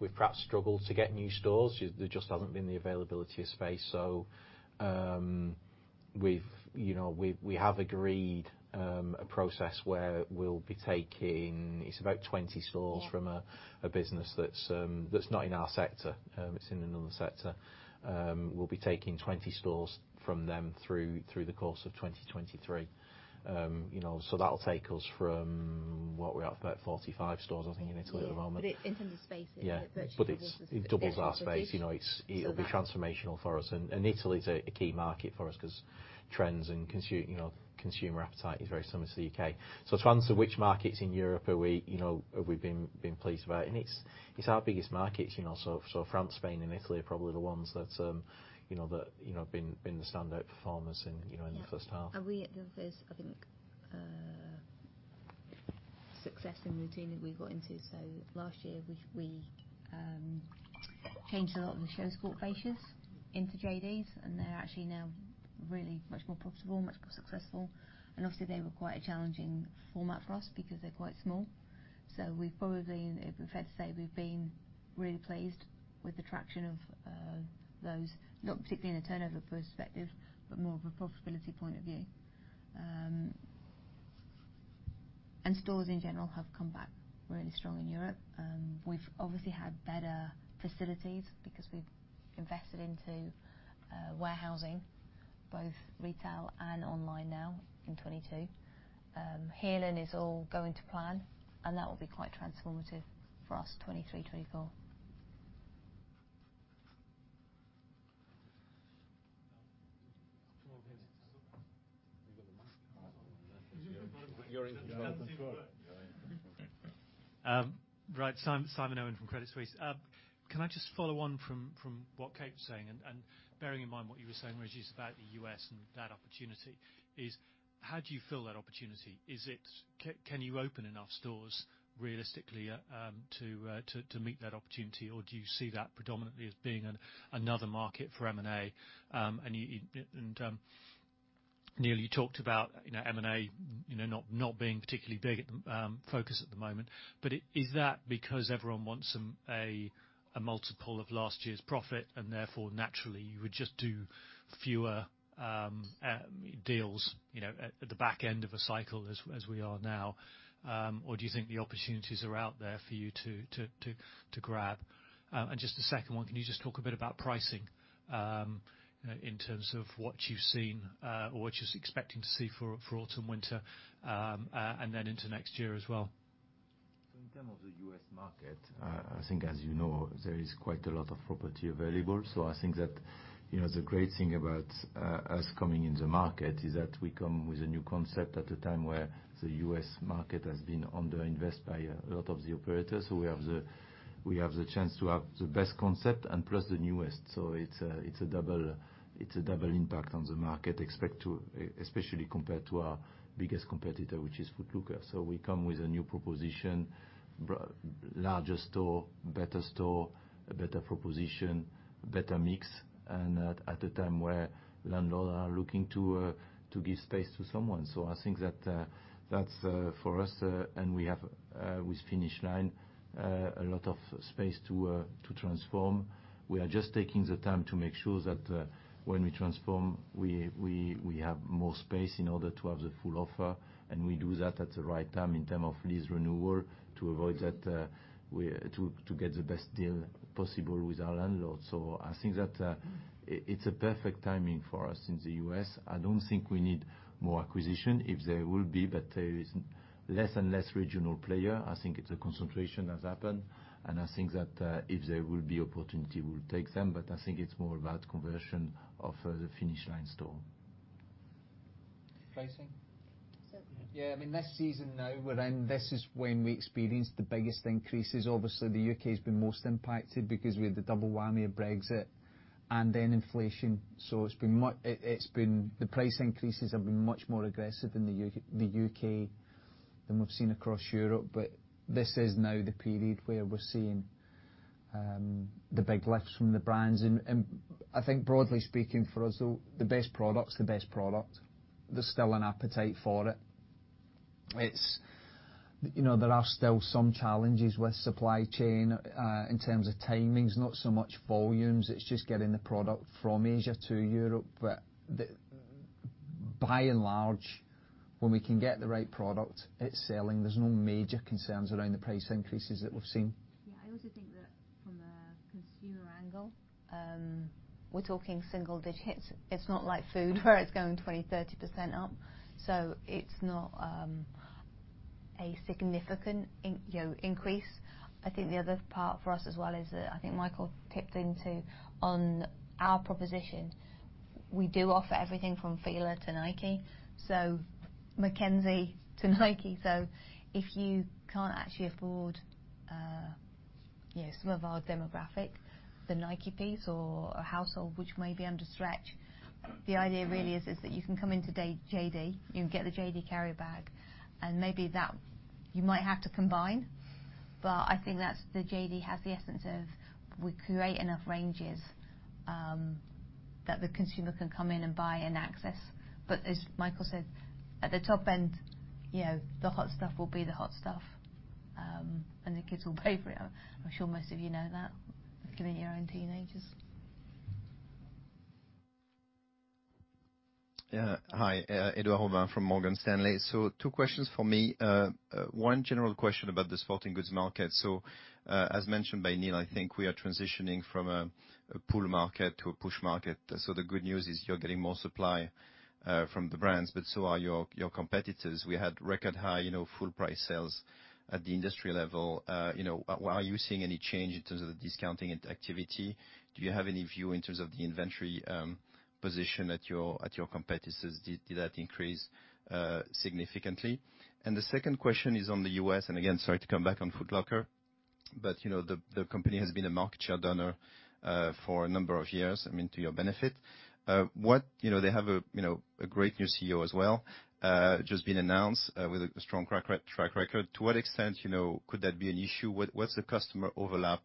we've perhaps struggled to get new stores. There just hasn't been the availability of space. We have agreed a process where we'll be taking. It's about 20 stores. Yeah From a business that's not in our sector, it's in another sector. We'll be taking 20 stores from them through the course of 2023. You know, that'll take us from what we have, about 45 stores, I think, in Italy at the moment. In terms of space, it virtually doubles- Yeah. It doubles our space. You know, it's Doubles your space. It'll be transformational for us. Italy is a key market for us cause trends and you know, consumer appetite is very similar to the UK. To answer which markets in Europe are we you know have we been pleased about, and it's our biggest markets, you know so France, Spain and Italy are probably the ones that you know have been the standout performers in the first half. There's, I think, success in routine that we got into. Last year we changed a lot of the Chausport fascias into JDs, and they're actually now really much more profitable, much more successful. Obviously they were quite a challenging format for us because they're quite small. We've probably, it'd be fair to say we've been really pleased with the traction of those, not particularly in a turnover perspective, but more of a profitability point of view. Stores in general have come back really strong in Europe. We've obviously had better facilities because we've invested into warehousing, both retail and online now in 2022. Heerlen is all going to plan, and that will be quite transformative for us 2023, 2024. You got the mic? You're in as well. Right. Simon Owen from Credit Suisse. Can I just follow on from what Kate was saying, and bearing in mind what you were saying, Régis, about the U.S. and that opportunity? How do you fill that opportunity? Is it can you open enough stores realistically to meet that opportunity, or do you see that predominantly as being another market for M&A? And you, Neil, you talked about, you know, M&A, you know, not being particularly big at the focus at the moment. It is that because everyone wants a multiple of last year's profit, and therefore, naturally, you would just do fewer deals, you know, at the back end of a cycle as we are now? Do you think the opportunities are out there for you to grab? Just a second one. Can you just talk a bit about pricing, in terms of what you've seen, or what you're expecting to see for autumn/winter, and then into next year as well? In terms of the U.S. market, I think, as you know, there is quite a lot of property available. I think that, you know, the great thing about us coming in the market is that we come with a new concept at a time where the U.S. market has been underinvested by a lot of the operators. We have the chance to have the best concept and plus the newest. It's a double impact on the market, especially compared to our biggest competitor, which is Foot Locker. We come with a new proposition, larger store, better store, a better proposition, better mix, and at a time where landlords are looking to give space to someone. I think that's for us, and we have with Finish Line a lot of space to transform. We are just taking the time to make sure that when we transform, we have more space in order to have the full offer, and we do that at the right time in terms of lease renewal to avoid that, to get the best deal possible with our landlords. I think that it's a perfect timing for us in the U.S. I don't think we need more acquisition if there will be, but there is less and less regional player. I think it's a concentration has happened, and I think that if there will be opportunity, we'll take them, but I think it's more about conversion of the Finish Line store. Pricing? So- I mean, this season now we're in, this is when we experience the biggest increases. Obviously, the UK has been most impacted because we had the double whammy of Brexit and then inflation. The price increases have been much more aggressive in the UK. Than we've seen across Europe, but this is now the period where we're seeing the big lifts from the brands. I think broadly speaking for us, the best product's the best product. There's still an appetite for it. You know, there are still some challenges with supply chain in terms of timings, not so much volumes. It's just getting the product from Asia to Europe. But by and large, when we can get the right product, it's selling. There's no major concerns around the price increases that we've seen. Yeah. I also think that from a consumer angle, we're talking single digits. It's not like food where it's going 20%-30% up. It's not a significant you know, increase. I think the other part for us as well is that I think Michael tipped into on our proposition, we do offer everything from FILA to Nike, so McKenzie to Nike. If you can't actually afford you know, some of our demographic, the Nike piece or a household which may be under stress, the idea really is that you can come into JD, you can get the JD carry bag, and maybe that you might have to combine. I think that's the JD has the essence of we create enough ranges, that the consumer can come in and buy and access. As Michael said, at the top end, you know, the hot stuff will be the hot stuff, and the kids will pay for it. I'm sure most of you know that, given your own teenagers. Yeah. Hi. Edouard Aubin from Morgan Stanley. Two questions for me. One general question about the sporting goods market. As mentioned by Neil, I think we are transitioning from a pull market to a push market. The good news is you're getting more supply from the brands, but so are your competitors. We had record high, you know, full price sales at the industry level. You know, are you seeing any change in terms of the discounting activity? Do you have any view in terms of the inventory position at your competitors? Did that increase significantly? The second question is on the U.S., and again, sorry to come back on Foot Locker, but you know, the company has been a market share donor for a number of years, I mean, to your benefit. You know, they have a great new CEO as well, just been announced, with a strong track record. To what extent, you know, could that be an issue? What's the customer overlap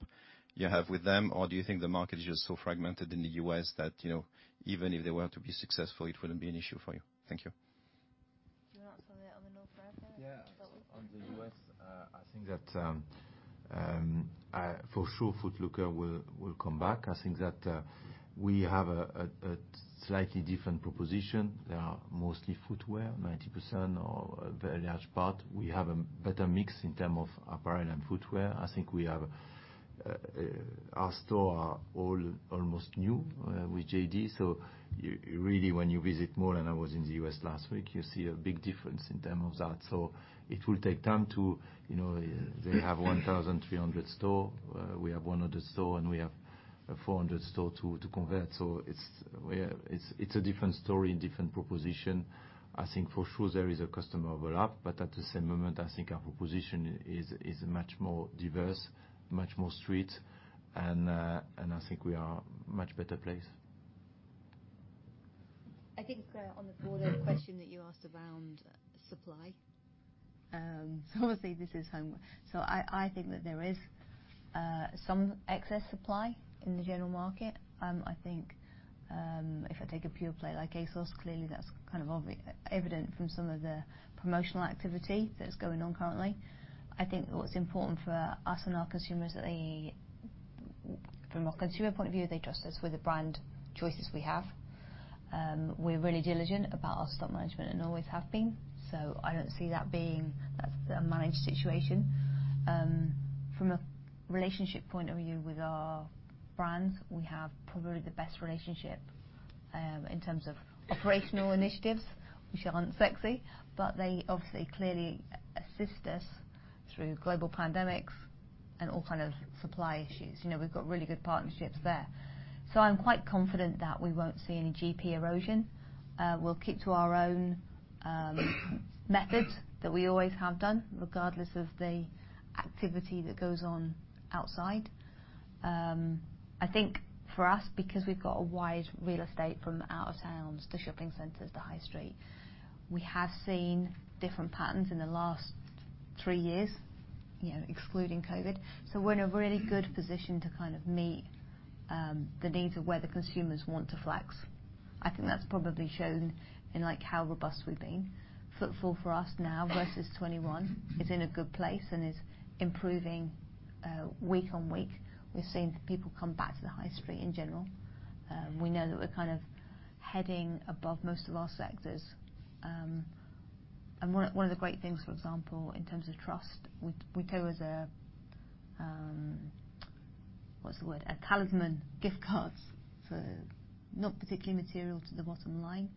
you have with them? Or do you think the market is just so fragmented in the U.S. that, you know, even if they were to be successful, it wouldn't be an issue for you? Thank you. Do you wanna answer that on the North America? Yeah. Is that what? On the US, I think that for sure, Foot Locker will come back. I think that we have a slightly different proposition. They are mostly footwear, 90% or a very large part. We have a better mix in terms of apparel and footwear. I think we have our store are all almost new with JD. So really when you visit more, and I was in the US last week, you see a big difference in terms of that. So it will take time to you know. They have 1,300 stores. We have 100 stores, and we have 400 stores to convert. So it's a different story and different proposition. I think for sure there is a customer overlap, but at the same moment, I think our proposition is much more diverse, much more street, and I think we are much better placed. I think, on the broader question that you asked around supply, obviously this is home. I think that there is some excess supply in the general market. I think, if I take a pure play like ASOS, clearly that's evident from some of the promotional activity that's going on currently. I think what's important for us and our consumers. From a consumer point of view, they trust us with the brand choices we have. We're really diligent about our stock management and always have been. I don't see that. That's a managed situation. From a relationship point of view with our brands, we have probably the best relationship in terms of operational initiatives which aren't sexy, but they obviously clearly assist us through global pandemics and all kind of supply issues. You know, we've got really good partnerships there. I'm quite confident that we won't see any GP erosion. We'll keep to our own methods that we always have done, regardless of the activity that goes on outside. I think for us, because we've got a wide real estate from out of towns to shopping centers to high street, we have seen different patterns in the last three years, you know, excluding Covid. We're in a really good position to kind of meet the needs of where the consumers want to flex. I think that's probably shown in like how robust we've been. Footfall for us now versus 2021 is in a good place and is improving week-on-week. We've seen people come back to the high street in general. We know that we're kind of heading above most of our sectors. One of the great things, for example, in terms of trust, we go as a. What's the word? A talisman gift cards for. Not particularly material to the bottom line,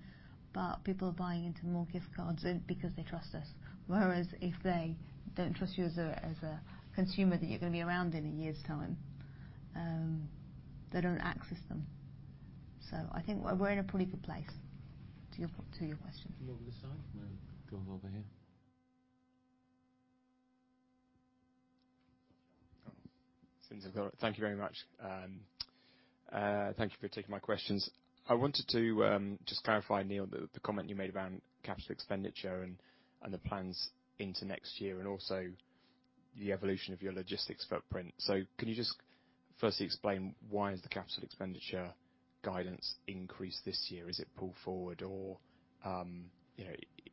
but people are buying into more gift cards because they trust us. Whereas if they don't trust you as a consumer, that you're gonna be around in a year's time, they don't access them. I think we're in a pretty good place to your question. Over this side. No, go over here. Thank you very much. Thank you for taking my questions. I wanted to just clarify, Neil, the comment you made around capital expenditure and the plans into next year and also the evolution of your logistics footprint. Can you just firstly explain why has the capital expenditure guidance increased this year? Is it pulled forward or, you know,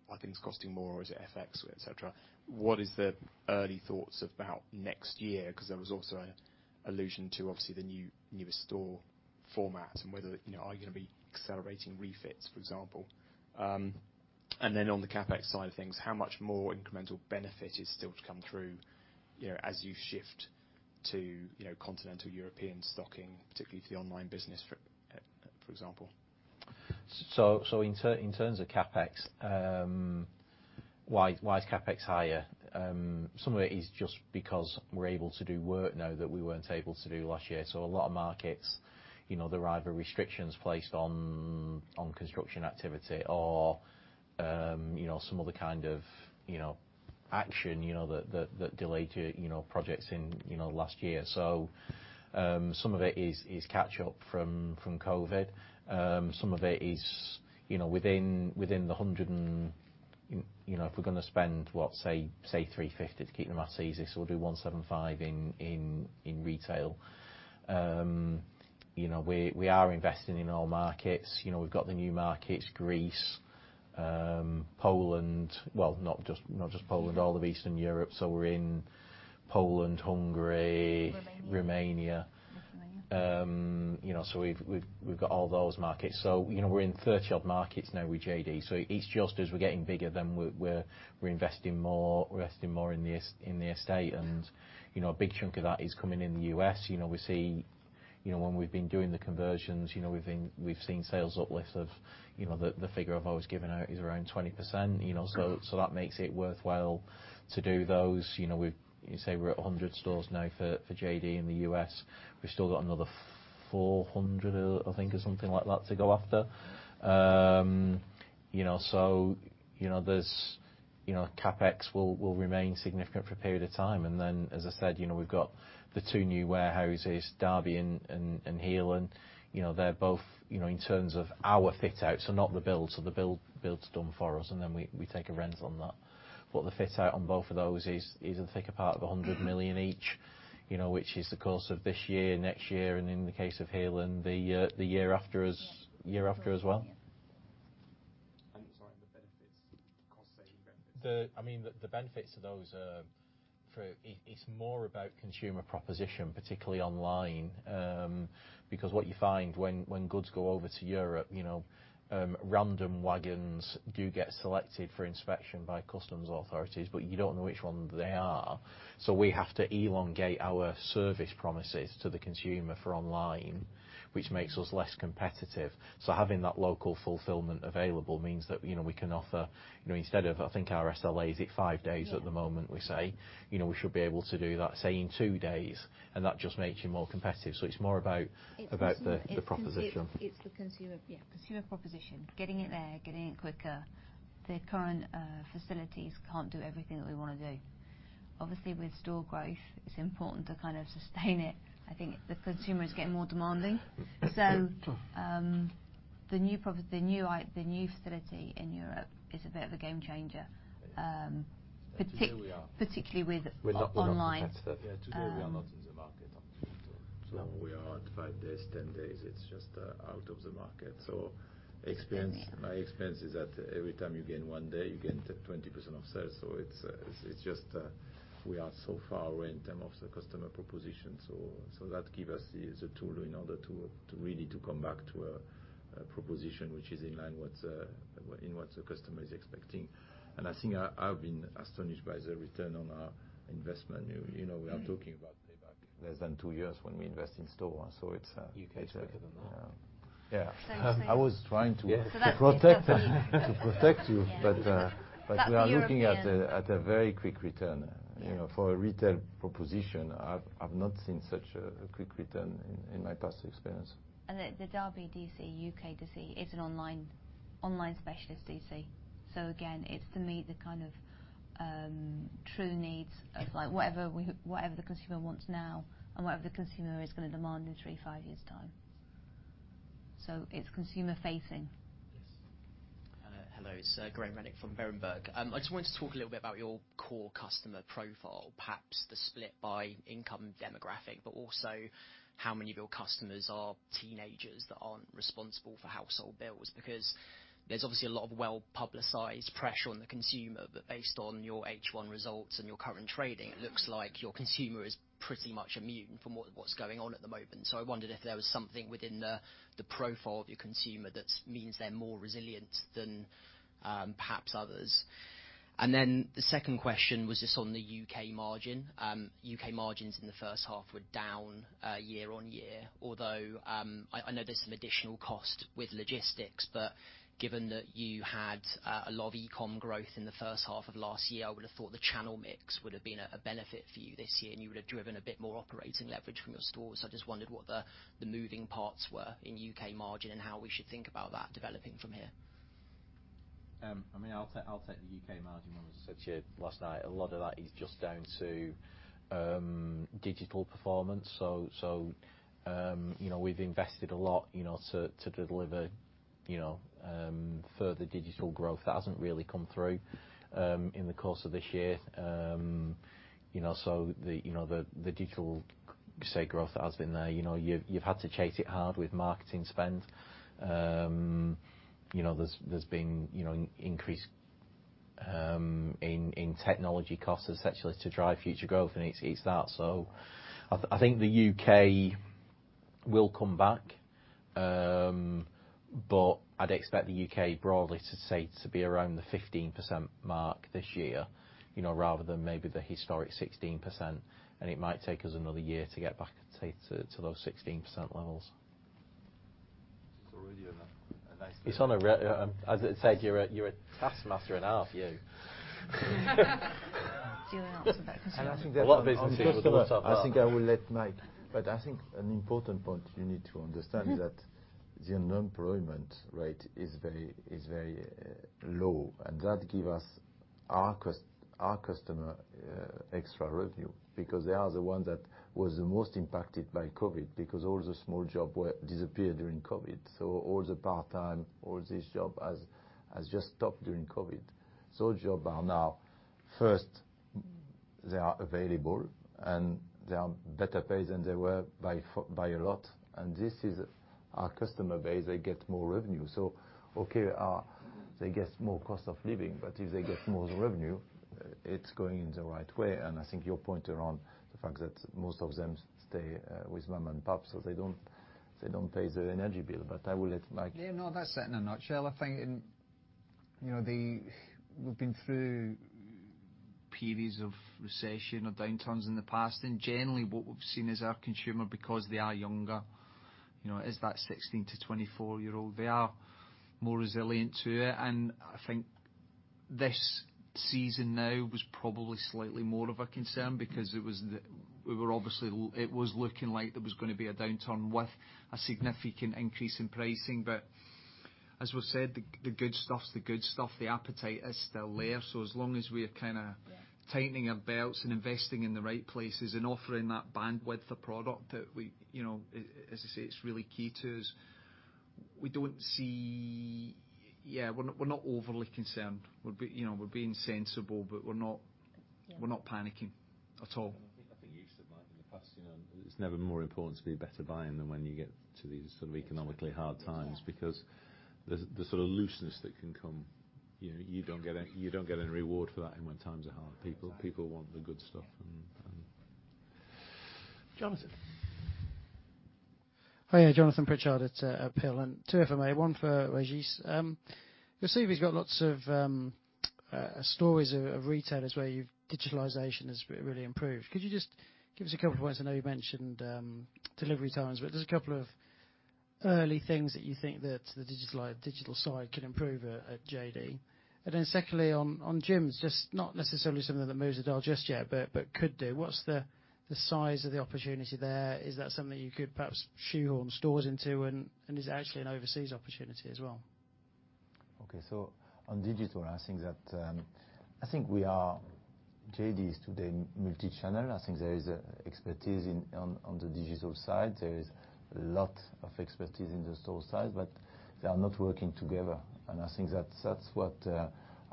are things costing more or is it FX, et cetera? What is the early thoughts about next year? Cause there was also an allusion to obviously the newer store format and whether, you know, are you gonna be accelerating refits, for example. Then on the CapEx side of things, how much more incremental benefit is still to come through, you know, as you shift to, you know, continental European stocking, particularly to the online business for example? In terms of CapEx, why is CapEx higher? Some of it is just because we're able to do work now that we weren't able to do last year. A lot of markets, you know, there were either restrictions placed on construction activity or, you know, some other kind of, you know, action, you know, that delayed, you know, projects in, you know, last year. Some of it is catch up from COVID. Some of it is, you know, within the 100 and. You know, if we're gonna spend, what, say 350 million to keep the math easy, so we'll do 175 million in retail. You know, we are investing in all markets. You know, we've got the new markets, Greece, Poland, well, not just Poland, all of Eastern Europe. We're in Poland, Hungary, Romania. Lithuania. You know, we've got all those markets. You know, we're in thirty-odd markets now with JD. It's just as we're getting bigger, then we're investing more in the estate. You know, a big chunk of that is coming in the U.S. You know, we see, you know, when we've been doing the conversions, you know, we've seen sales uplift of, you know, the figure I've always given out is around 20%, you know? Okay. That makes it worthwhile to do those. You know, you say we're at 100 stores now for JD in the US. We've still got another 400, I think or something like that to go after. CapEx will remain significant for a period of time. Then as I said, we've got the two new warehouses, Derby and Heerlen. They're both in terms of our fit outs and not the build. The build's done for us, and then we take a rental on that. The fit out on both of those is I think about 100 million each, you know, which is over the course of this year, next year, and in the case of Heerlen, the year after as well. Yeah. Sorry, the benefits, cost saving benefits. It's more about consumer proposition, particularly online. Because what you find when goods go over to Europe, you know, random wagons do get selected for inspection by customs authorities, but you don't know which one they are. We have to elongate our service promises to the consumer for online, which makes us less competitive. Having that local fulfillment available means that, you know, we can offer, you know, instead of I think our SLA is at five days at the moment, we say. You know, we should be able to do that, say, in two days, and that just makes you more competitive. It's more about the proposition. It's the consumer. Yeah, consumer proposition. Getting it there, getting it quicker. The current facilities can't do everything that we wanna do. Obviously, with store growth, it's important to kind of sustain it. I think the consumer is getting more demanding. The new facility in Europe is a bit of a game changer. Today we are. Particularly with online. We're not competitive. Yeah, today we are not in the market on. No. We are at five days, 10 days. It's just out of the market. Definitely. My experience is that every time you gain one day, you gain 20% of sales. It's just, we are so far away in terms of the customer proposition. So that give us the tool in order to really come back to a proposition which is in line with what the customer is expecting. I think I've been astonished by the return on our investment. You know, we are talking about payback less than two years when we invest in store. UK is quicker than that. Yeah. Same, same. I was trying to- Yes For that reason. To protect you. Yeah. We are looking at a That and the European. At a very quick return. Yeah. You know, for a retail proposition, I've not seen such a quick return in my past experience. The Derby DC, UK DC is an online specialist DC. It's to meet the kind of true needs of like whatever the consumer wants now and whatever the consumer is gonna demand in three to five years time. It's consumer facing. Yes. Hello. It's Anne Critchlow from Berenberg. I just wanted to talk a little bit about your core customer profile, perhaps the split by income demographic, but also how many of your customers are teenagers that aren't responsible for household bills. Because there's obviously a lot of well-publicized pressure on the consumer, but based on your H1 results and your current trading, it looks like your consumer is pretty much immune from what's going on at the moment. I wondered if there was something within the profile of your consumer that means they're more resilient than perhaps others. The second question was just on the UK margin. UK margins in the first half were down year-on-year. Although I know there's some additional cost with logistics, but given that you had a lot of eCom growth in the first half of last year, I would have thought the channel mix would have been a benefit for you this year, and you would have driven a bit more operating leverage from your stores. I just wondered what the moving parts were in UK margin and how we should think about that developing from here. I mean, I'll take the UK margin one. As I said to you last night, a lot of that is just down to digital performance. You know, we've invested a lot, you know, to deliver, you know, further digital growth. That hasn't really come through in the course of this year. You know, the digital sales growth has been there. You know, you've had to chase it hard with marketing spend. You know, there's been, you know, increased investment in technology costs essentially to drive future growth, and it's that. I think the UK will come back. I'd expect the UK broadly to say to be around the 15% mark this year, you know, rather than maybe the historic 16%, and it might take us another year to get back, say, to those 16% levels. It's already in a nice place. As I said, you're a taskmaster and a half, you. Do you want to answer that question? I think that on A lot of businesses would love to have that. I think I will let Mike, but I think an important point you need to understand is that the unemployment rate is very low, and that give us our customer extra revenue because they are the one that was the most impacted by COVID because all the small job were disappeared during COVID. All the part-time, all this job has just stopped during COVID. Job are now first, they are available, and they are better paid than they were by a lot and this is our customer base, they get more revenue. Okay, they get more cost of living, but if they get more revenue, it's going in the right way. I think your point around the fact that most of them stay with mom and pops, so they don't pay the energy bill. I will let Mike. Yeah, no, that's it in a nutshell. I think, you know, we've been through periods of recession or downturns in the past, and generally what we've seen is our consumer because they are younger, you know, as that 16-24-year-old, they are more resilient to it. I think this season now was probably slightly more of a concern because it was looking like there was gonna be a downturn with a significant increase in pricing. As we've said, the good stuff's the good stuff. The appetite is still there, so as long as we're kinda tightening our belts and investing in the right places and offering that bandwidth of product that we, you know, as I say, it's really key to us. Yeah, we're not overly concerned. You know, we're being sensible, but we're not. Yeah. We're not panicking at all. I think you said, Mike, in the past, you know, it's never more important to be better buying than when you get to these sort of economically hard times. Yeah. Because the sort of looseness that can come, you know, you don't get any reward for that and when times are hard, people Exactly. People want the good stuff and. Jonathan. Hiya. Jonathan Pritchard at Peel Hunt if I may. One for Régis. Your CV's got lots of stories of retailers where digitalization has really improved. Could you just give us a couple points? I know you mentioned delivery times, but just a couple of early things that you think that the digital side can improve at JD. Then secondly, on gyms, just not necessarily something that moves the dial just yet but could do, what's the size of the opportunity there? Is that something you could perhaps shoehorn stores into? Is it actually an overseas opportunity as well? On digital, I think that JD is today multi-channel. I think there is expertise in the digital side. There is lot of expertise in the store side, but they are not working together. I think that's what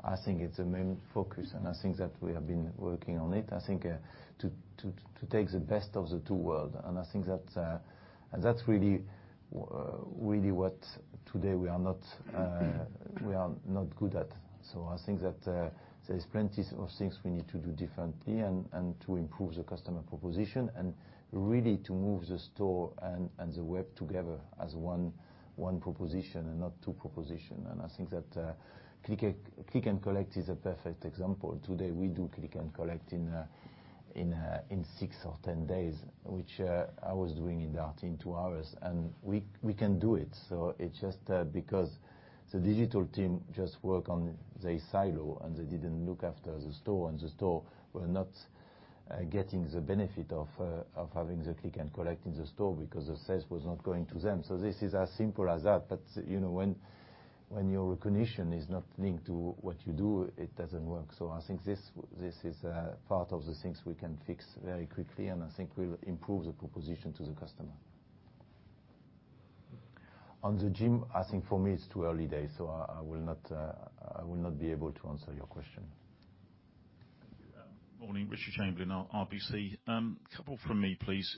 I think it's the main focus, and I think that we have been working on it. I think to take the best of the two worlds, and I think that that's really what today we are not good at. I think that there is plenty of things we need to do differently and to improve the customer proposition and really to move the store and the web together as one proposition and not two propositions. I think that click and collect is a perfect example. Today, we do click and collect in six or 10 days, which I was doing in two hours. We can do it. It's just because the digital team just work on their silo, and they didn't look after the store, and the store were not getting the benefit of having the click and collect in the store because the sales was not going to them. This is as simple as that. You know when your recognition is not linked to what you do, it doesn't work. I think this is part of the things we can fix very quickly, and I think we'll improve the proposition to the customer. On the gym, I think for me it's too early days, so I will not be able to answer your question. Thank you. Morning. Richard Chamberlain, RBC. Couple from me please.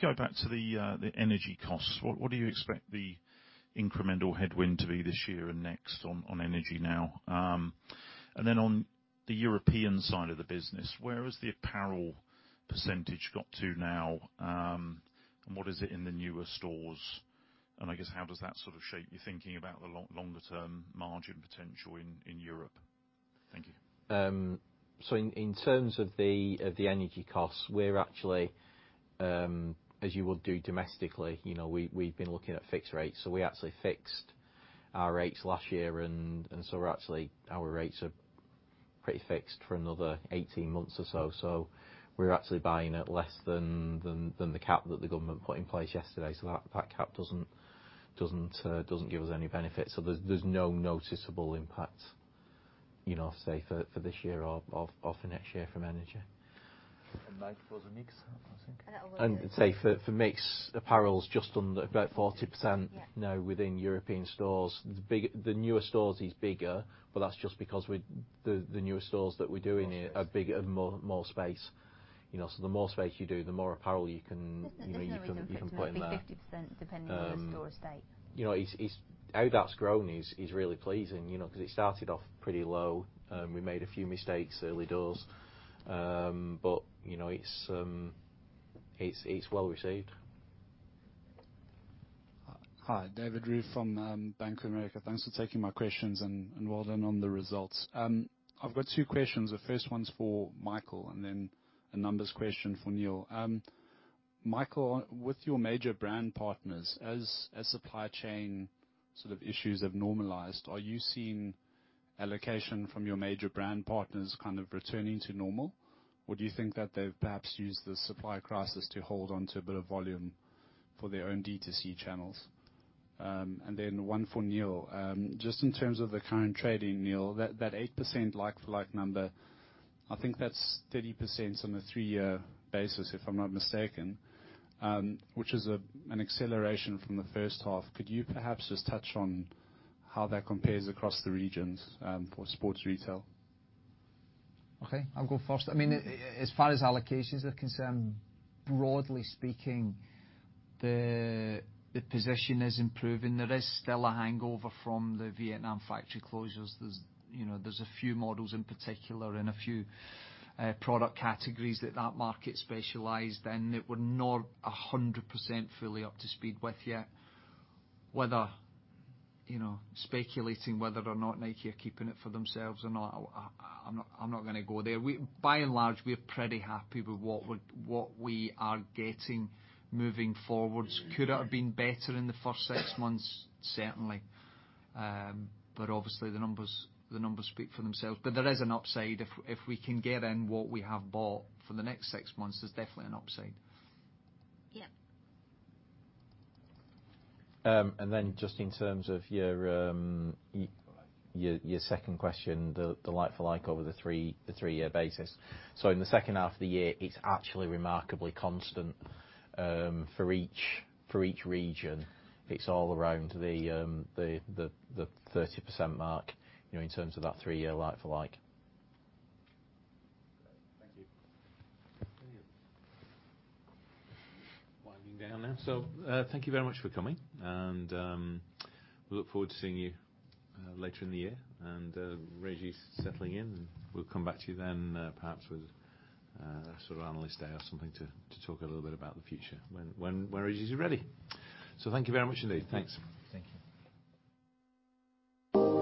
Go back to the energy costs. What do you expect the incremental headwind to be this year and next on energy now? Then on the European side of the business, where has the apparel percentage got to know? What is it in the newer stores? I guess how does that sort of shape you're thinking about the longer-term margin potential in Europe? Thank you. In terms of the energy costs, we're actually, as you will do domestically, you know, we've been looking at fixed rates. We actually fixed our rates last year and so we're actually our rates are pretty fixed for another 18 months or so we're actually buying at less than the cap that the government put in place yesterday. That cap doesn't give us any benefit. There's no noticeable impact, you know, say for this year or for next year from energy. Mike, for the mix, I think. And I'll- Say, for mix, apparel's just under about 40%. Yeah Now within European stores. The newer stores is bigger, but that's just because the newer stores that we're doing here are bigger. More space. Have more space. You know, so the more space you do, the more apparel you can, you know, put in there. There's no rule to it. It can be 50% depending on the store estate. You know, how that's grown is really pleasing, you know, cause it started off pretty low. We made a few mistakes, early doors. You know, it's well received. Hi, David Roff from Bank of America. Thanks for taking my questions and well done on the results. I've got two questions. The first one's for Michael and then a numbers question for Neil. Michael, with your major brand partners, as supply chain sort of issues have normalized, are you seeing allocation from your major brand partners kind of returning to normal? Or do you think that they've perhaps used the supply crisis to hold on to a bit of volume for their own D2C channels? And then one for Neil. Just in terms of the current trading, Neil, that 8% like-for-like number, I think that's 30% on a three-year basis, if I'm not mistaken, which is an acceleration from the first half. Could you perhaps just touch on how that compares across the regions, for sports retail? Okay, I'll go first. I mean, as far as allocations are concerned, broadly speaking, the position is improving. There is still a hangover from the Vietnam factory closures. There's, you know, a few models in particular and a few product categories that market specialized in, and with it we're not 100% fully up to speed with yet. Whether, you know, speculating whether or not Nike are keeping it for themselves or not, I'm not gonna go there. By and large, we're pretty happy with what we are getting moving forward. Mm-hmm. Could it have been better in the first six months? Certainly. Obviously, the numbers speak for themselves. There is an upside if we can get in what we have bought for the next six months, there's definitely an upside. Yeah. Just in terms of your second question, the like-for-like over the three-year basis. In the second half of the year, it's actually remarkably constant for each region. It's all around the 30% mark, you know, in terms of that three-year like-for-like. Thank you. Thank you. Winding down now. Thank you very much for coming. We look forward to seeing you later in the year. Régis's settling in, and we'll come back to you then, perhaps with a sort of analyst day or something to talk a little bit about the future when Régis's ready. Thank you very much indeed. Thanks. Thank you. Thank you.